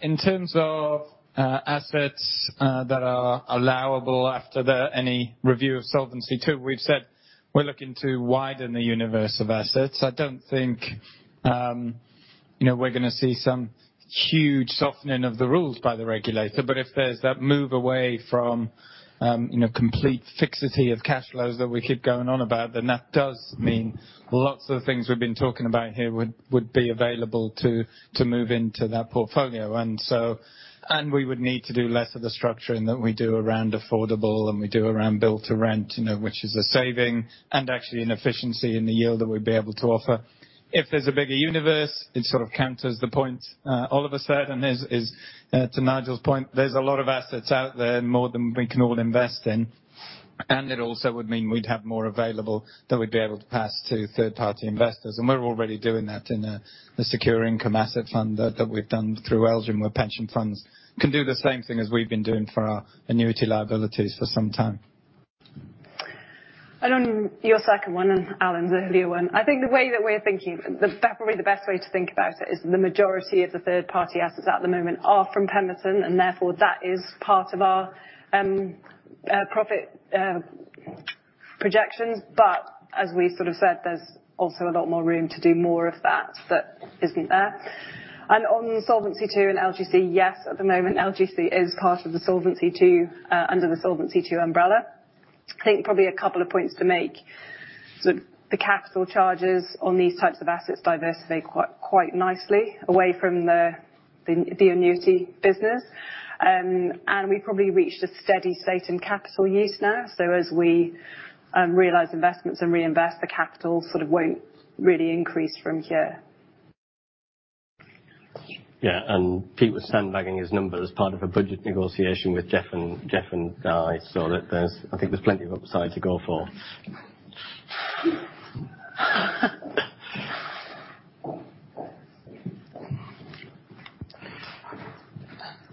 In terms of assets that are allowable after any review of Solvency II, we've said we're looking to widen the universe of assets. I don't think we're going to see some huge softening of the rules by the regulator. If there's that move away from complete fixity of cash flows that we keep going on about, then that does mean lots of the things we've been talking about here would be available to move into that portfolio. We would need to do less of the structuring that we do around affordable, and we do around build-to-rent, which is a saving, and actually an efficiency in the yield that we'd be able to offer. If there's a bigger universe, it sort of counters the point all of a sudden, and to Nigel's point, there's a lot of assets out there, more than we can all invest in, and it also would mean we'd have more available that we'd be able to pass to third-party investors. We're already doing that in the secure income asset fund that we've done through LGIM, where pension funds can do the same thing as we've been doing for our annuity liabilities for some time. On your second one, and Alan's earlier one, I think the way that we're thinking, probably the best way to think about it is the majority of the third-party assets at the moment are from Pemberton, and therefore that is part of our profit projections. As we sort of said, there's also a lot more room to do more of that isn't there. On Solvency II and LGC, yes, at the moment, LGC is part of the Solvency II, under the Solvency II umbrella. I think probably a couple of points to make. The capital charges on these types of assets diversify quite nicely away from the annuity business. We probably reached a steady state in capital use now. As we realize investments and reinvest, the capital sort of won't really increase from here. Yeah. Pete was sandbagging his numbers as part of a budget negotiation with Jeff and I saw that there's I think there's plenty of upside to go for. Don't know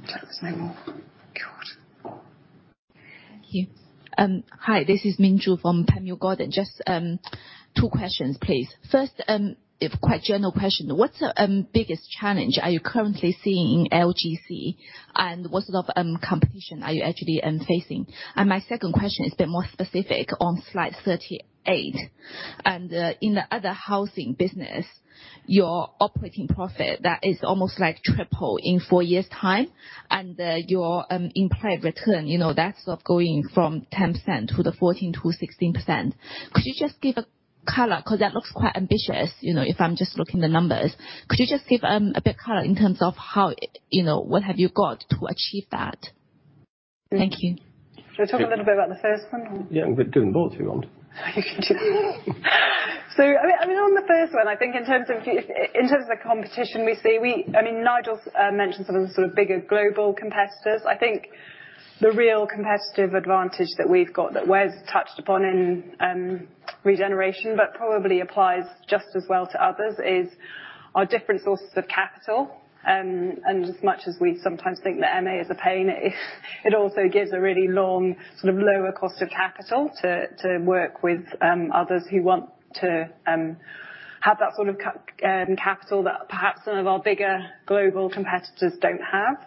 if there's any more. God. Thank you. Hi, this is Ming Zhu from Panmure Gordon. Just two questions, please. First, quite a general question. What's the biggest challenge are you currently seeing in LGC, and what sort of competition are you actually facing? My second question is a bit more specific on slide 38. In the other housing business, your operating profit, that is almost like triple in four years' time, and your implied return, that's sort of going from 10% to the 14%-16%. Could you just give a color? Because that looks quite ambitious, if I'm just looking at the numbers. Could you just give a bit of color in terms of what have you got to achieve that? Thank you. Shall I talk a little bit about the first one? Yeah. We can do them both if you want. You can do them both. On the first one, I think in terms of the competition we see, Nigel mentioned some of the sort of bigger global competitors. I think the real competitive advantage that we've got that Wes touched upon in regeneration, but probably applies just as well to others, is our different sources of capital. As much as we sometimes think that MA is a pain, it also gives a really long sort of lower cost of capital to work with others who want to have that sort of capital that perhaps some of our bigger global competitors don't have.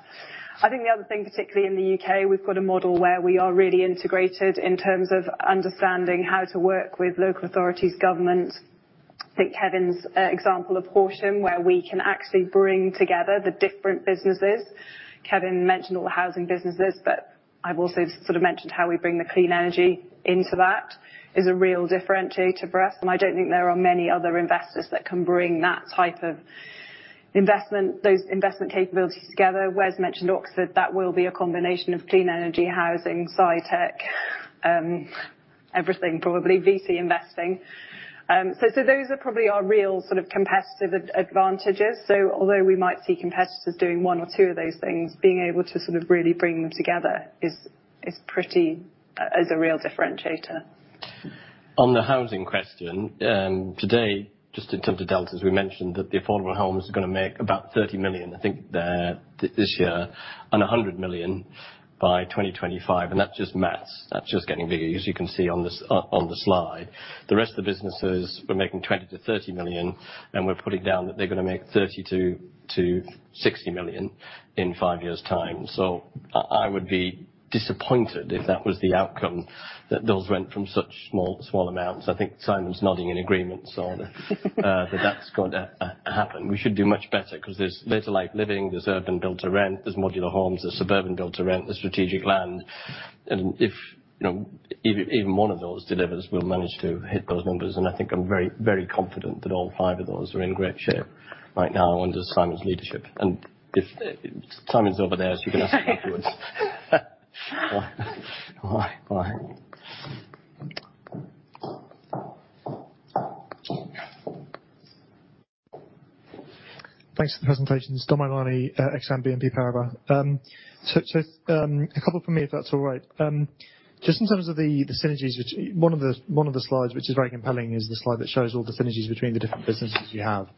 I think the other thing, particularly in the U.K., we've got a model where we are really integrated in terms of understanding how to work with local authorities, government. I think Kevin's example of Horsham, where we can actually bring together the different businesses. Kevin mentioned all the housing businesses, but I've also sort of mentioned how we bring the clean energy into that is a real differentiator for us. I don't think there are many other investors that can bring that type of investment, those investment capabilities together. Wes mentioned University of Oxford. That will be a combination of Clean Energy, Housing, SciTech, everything probably, VC investing. Those are probably our real sort of competitive advantages. Although we might see competitors doing one or two of those things, being able to sort of really bring them together is a real differentiator. On the housing question, today, just in terms of deltas, we mentioned that the Affordable Homes are going to make about 30 million, I think, this year, and 100 million by 2025, and that's just maths. That's just getting bigger, as you can see on the slide. The rest of the businesses were making 20 million-30 million, and we're putting down that they're going to make 30 million-60 million in five years' time. I would be disappointed if that was the outcome, that those went from such small amounts. I think Simon nodding in agreement. That's going to happen. We should do much better because there's better later living, there's urban build-to-rent, there's Legal & General Modular Homes, there's Suburban Build-to-Rent, there's Strategic Land. If even one of those delivers, we'll manage to hit those numbers. I think I'm very confident that all five of those are in great shape right now under Simon's leadership. Simon's over there, so you can ask him afterwards. Bye. Thanks for the presentations. Dom O'Mahony, Exane BNP Paribas. A couple from me, if that's all right. Just in terms of the synergies, one of the slides which is very compelling is the slide that shows all the synergies between the different businesses you have.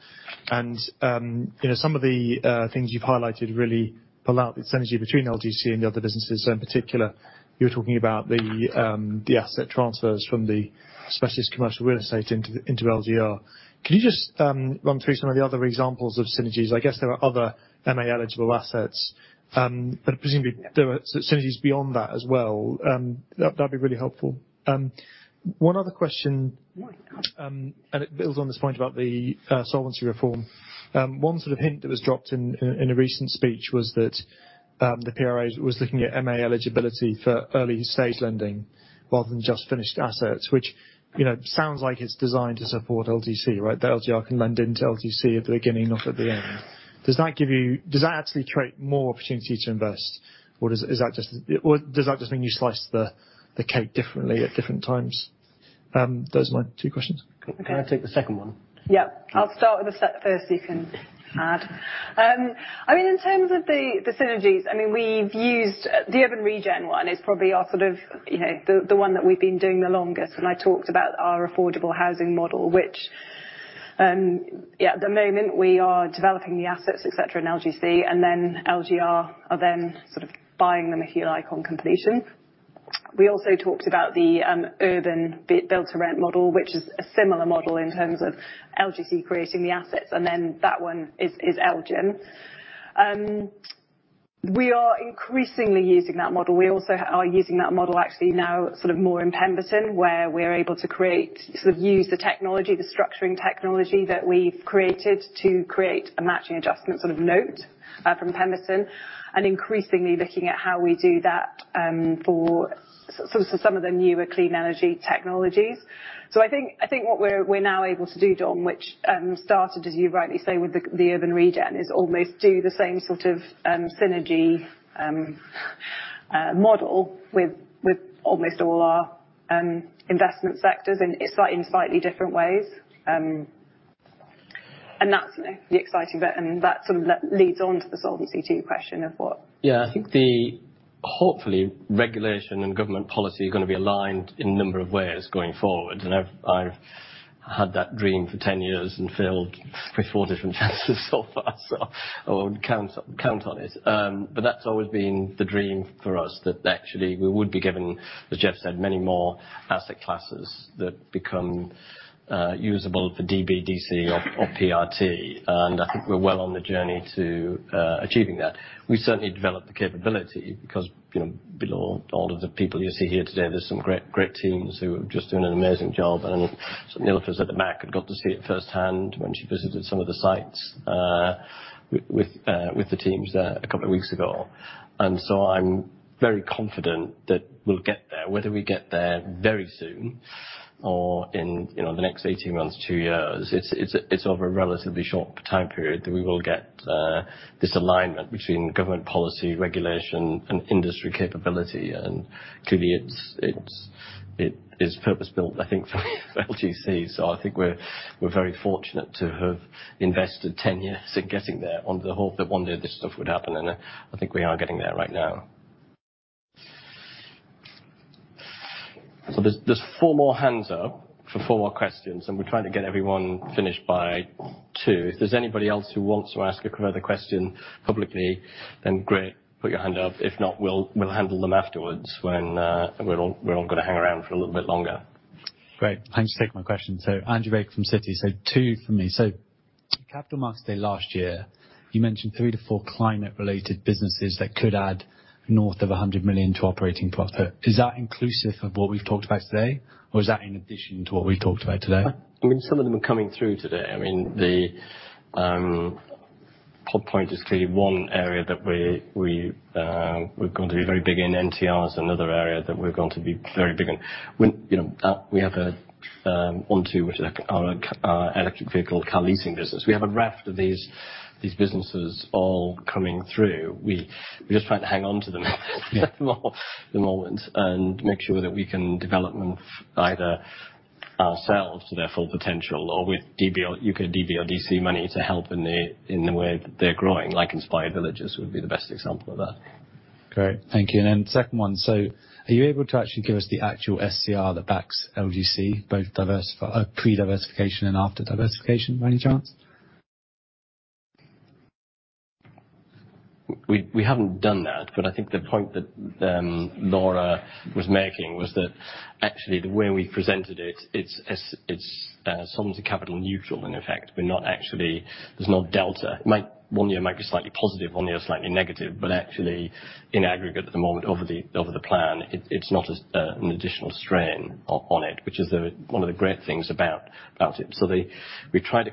Some of the things you've highlighted really pull out the synergy between LGC and the other businesses. In particular, you were talking about the asset transfers from the Specialist Commercial Real Estate into LGR. Can you just run through some of the other examples of synergies? I guess there are other MA-eligible assets. Yeah. Presumably, there are synergies beyond that as well. That'd be really helpful. One other question. Why not? It builds on this point about the solvency reform. One sort of hint that was dropped in a recent speech was that the PRA was looking at MA eligibility for early-stage lending rather than just finished assets, which sounds like it's designed to support LGC, right? That LGR can lend into LGC at the beginning, not at the end. Does that actually create more opportunity to invest, or does that just mean you slice the cake differently at different times? Those are my two questions. Okay. Can I take the second one? I'll start with the first, you can add. In terms of the synergies, the urban regen one is probably the one that we've been doing the longest. I talked about our Affordable Housing model, which at the moment we are developing the assets, et cetera, in LGC, then LGR are then buying them, if you like, on completion. We also talked about the Urban build-to-rent model, which is a similar model in terms of LGC creating the assets, then that one is LGIM. We are increasingly using that model. We also are using that model actually now more in Pemberton, where we're able to use the technology, the structuring technology that we've created to create a matching adjustment sort of note from Pemberton. Increasingly looking at how we do that for some of the newer clean energy technologies. I think what we're now able to do, Dom, which started, as you rightly say, with the urban regen, is almost do the same sort of synergy model with almost all our investment sectors and in slightly different ways. That's the exciting bit, that leads on to the Solvency II, to your question of what. Yeah, I think the, hopefully, regulation and government policy are going to be aligned in a number of ways going forward. I've had that dream for 10 years and failed pretty four different Chancellors so far, I wouldn't count on it. That's always been the dream for us, that actually we would be given, as Jeff said, many more asset classes that become usable for DB, DC or PRT, I think we're well on the journey to achieving that. We certainly developed the capability because below all of the people you see here today, there's some great teams who are just doing an amazing job. Nilufer's at the back, got to see it firsthand when she visited some of the sites with the teams there a couple of weeks ago. I'm very confident that we'll get there, whether we get there very soon or in the next 18 months, two years. It's over a relatively short time period that we will get this alignment between government policy, regulation, and industry capability. Clearly, it is purpose-built, I think, for LGC. I think we're very fortunate to have invested 10 years in getting there on the hope that one day this stuff would happen. I think we are getting there right now. There's four more hands up for four more questions, and we're trying to get everyone finished by 2:00 P.M. If there's anybody else who wants to ask a further question publicly, then great, put your hand up. If not, we'll handle them afterwards when we're all going to hang around for a little bit longer. Great. Thanks for taking my question. Andrew Baker from Citi. Two from me. Capital Markets Day last year, you mentioned three, four climate-related businesses that could add north of 100 million to operating profit. Is that inclusive of what we've talked about today, or is that in addition to what we talked about today? Some of them are coming through today. Pod Point is clearly one area that we're going to be very big in. NTR is another area that we're going to be very big in. We have Onto, which is our electric vehicle car leasing business. We have a raft of these businesses all coming through. We're just trying to hang on to them at the moment and make sure that we can develop them either ourselves to their full potential or with DB or DC money to help in the way that they're growing, like Inspired Villages would be the best example of that. Great. Thank you. Second 1. Are you able to actually give us the actual SCR that backs LGC, both pre-diversification and after diversification, by any chance? We haven't done that, I think the point that Laura was making was that actually, the way we presented it's somewhat capital neutral, in effect. There's no delta. One year might be slightly positive, one year slightly negative, but actually in aggregate at the moment over the plan, it's not an additional strain on it, which is one of the great things about it. We try to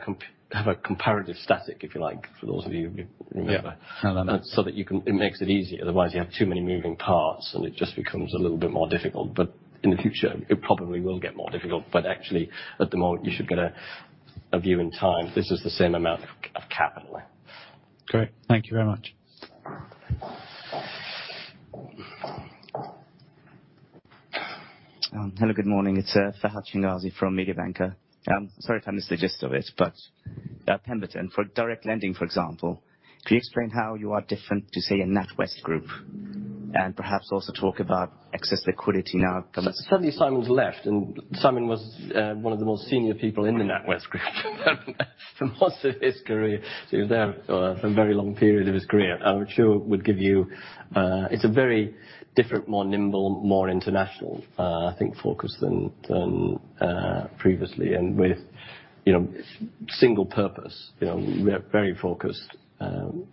have a comparative static, if you like, for those of you who. Yeah. I know that. That it makes it easy. Otherwise, you have too many moving parts, and it just becomes a little bit more difficult. In the future, it probably will get more difficult. Actually, at the moment, you should get a view in time. This is the same amount of capital. Great. Thank you very much. Hello, good morning. It's Fahad Changazi from Mediobanca. Sorry if I missed the gist of it, Pemberton, for direct lending, for example, can you explain how you are different to, say, a NatWest Group? Perhaps also talk about excess liquidity now? Sadly Symon's left, and Symon was one of the most senior people in the NatWest Group for most of his career. He was there for a very long period of his career. I'm sure would give you. It's a very different, more nimble, more international, I think, focus than previously. With single purpose. We're a very focused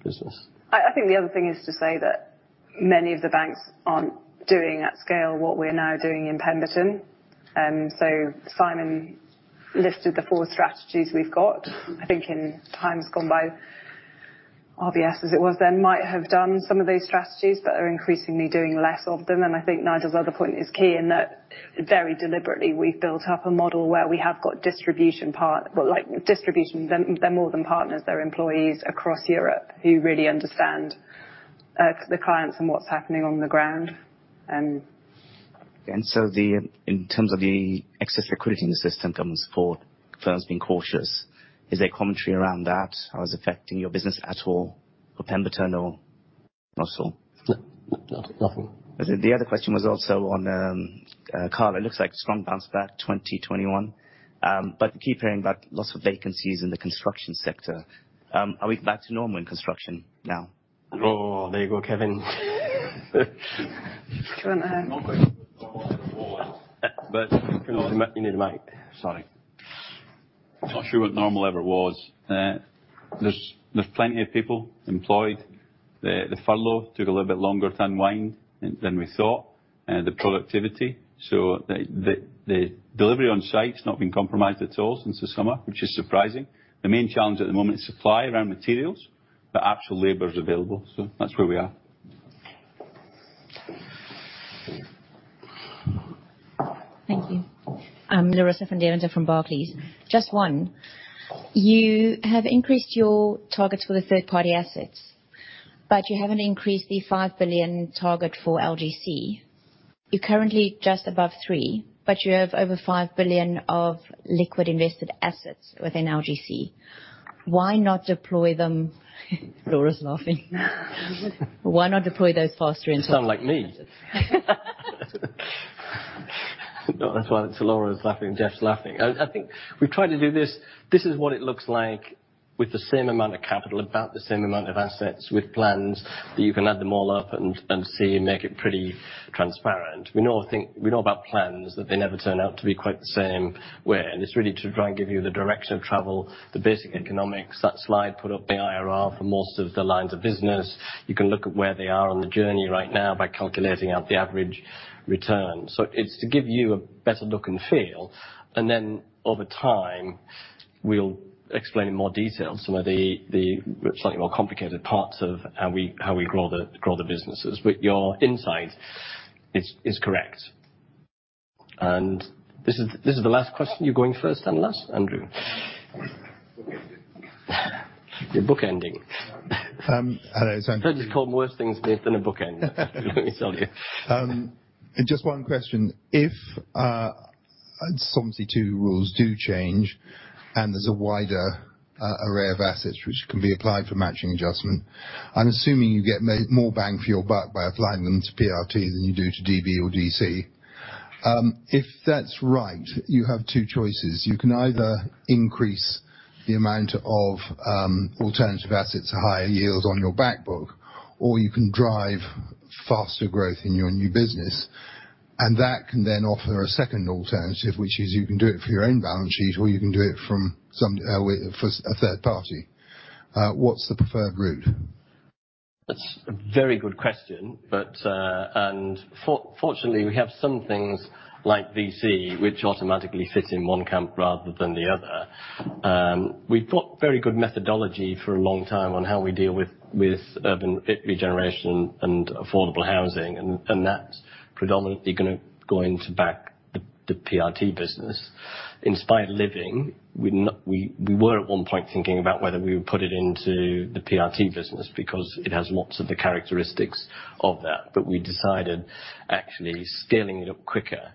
business. I think the other thing is to say that many of the banks aren't doing at scale what we're now doing in Pemberton. Symon listed the four strategies we've got. I think in times gone by, RBS, as it was then, might have done some of those strategies but are increasingly doing less of them. I think Nigel's other point is key in that very deliberately, we've built up a model where we have got distribution. Well, distribution, they're more than partners. They're employees across Europe who really understand the clients and what's happening on the ground. In terms of the excess liquidity in the system comes for firms being cautious. Is there commentary around that? How it's affecting your business at all? For Pemberton or not at all? No. Nothing. The other question was also on, Cala it looks like strong bounce back 2021. We keep hearing about lots of vacancies in the construction sector. Are we back to normal in construction now? Oh, there you go, Kevin. Don't know. Not quite wall- You need a mic. Sorry. Not sure what normal ever was. There's plenty of people employed. The furlough took a little bit longer to unwind than we thought. The productivity. The delivery on site's not been compromised at all since the summer, which is surprising. The main challenge at the moment is supply around materials, but actual labor is available. That's where we are. Thank you. Larissa Van Deventer from Barclays. Just one. You have increased your targets for the third-party assets, you haven't increased the 5 billion target for LGC. You're currently just above 3 billion, but you have over 5 billion of liquid invested assets within LGC. Why not deploy them? Laura's laughing. Why not deploy those faster into- You sound like me. That's why Laura's laughing, Jeff's laughing. I think we've tried to do this. This is what it looks like with the same amount of capital, about the same amount of assets with plans, that you can add them all up and see and make it pretty transparent. We know about plans, that they never turn out to be quite the same way. It's really to try and give you the direction of travel, the basic economics. That slide put up the IRR for most of the lines of business. You can look at where they are on the journey right now by calculating out the average return. It's to give you a better look and feel. Then over time, we'll explain in more detail some of the slightly more complicated parts of how we grow the businesses. Your insight is correct. This is the last question. You are going first and last, Andrew. Book ending. You're book ending. I've certainly been called worse things, mate, than a book ending. Let me tell you. Just one question. If Solvency II rules do change, and there's a wider array of assets which can be applied for matching adjustment, I'm assuming you get more bang for your buck by applying them to PRT than you do to DB or DC. If that's right, you have two choices. You can either increase the amount of alternative assets or higher yields on your back book, or you can drive faster growth in your new business. That can then offer a second alternative, which is you can do it for your own balance sheet, or you can do it for a third party. What's the preferred route? That's a very good question. Fortunately, we have some things like VC, which automatically fits in 1 camp rather than the other. We've got very good methodology for a long time on how we deal with urban regeneration and affordable housing, and that's predominantly going to go into back the PRT business. Inspired Villages, we were at one point thinking about whether we would put it into the PRT business because it has lots of the characteristics of that. We decided actually scaling it up quicker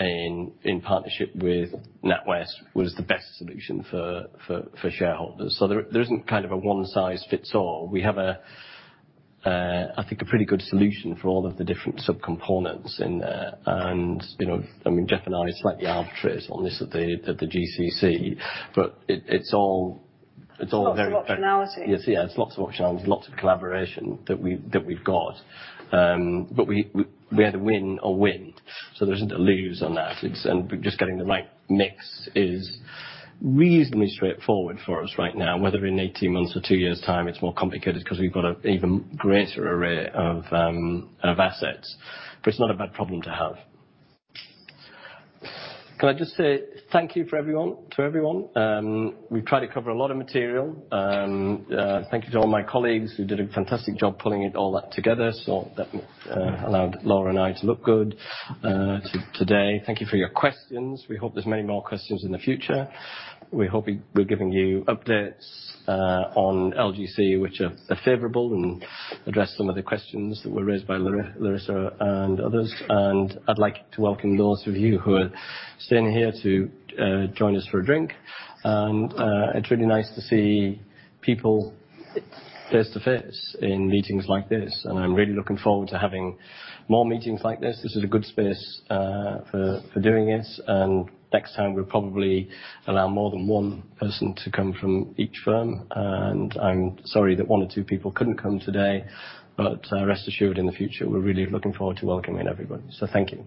in partnership with NatWest was the best solution for shareholders. There isn't kind of a one-size-fits-all. We have, I think, a pretty good solution for all of the different subcomponents in there. Jeff and I slightly arbitrate on this at the GCC, but it's all very. It's all optionality. Yes, yeah. It's lots of optionality. There's lots of collaboration that we've got. We had a win, so there isn't a lose on that. Just getting the right mix is reasonably straightforward for us right now, whether in 18 months or two years' time, it's more complicated because we've got an even greater array of assets. It's not a bad problem to have. Can I just say thank you to everyone. We've tried to cover a lot of material. Thank you to all my colleagues who did a fantastic job pulling it all together, so that allowed Laura and I to look good today. Thank you for your questions. We hope there's many more questions in the future. We hope we're giving you updates on LGC which are favorable and address some of the questions that were raised by Larissa and others. I'd like to welcome those of you who are staying here to join us for a drink. It's really nice to see people face to face in meetings like this. I'm really looking forward to having more meetings like this. This is a good space for doing it. Next time, we'll probably allow more than one person to come from each firm. I'm sorry that one or two people couldn't come today. Rest assured, in the future, we're really looking forward to welcoming everyone. Thank you.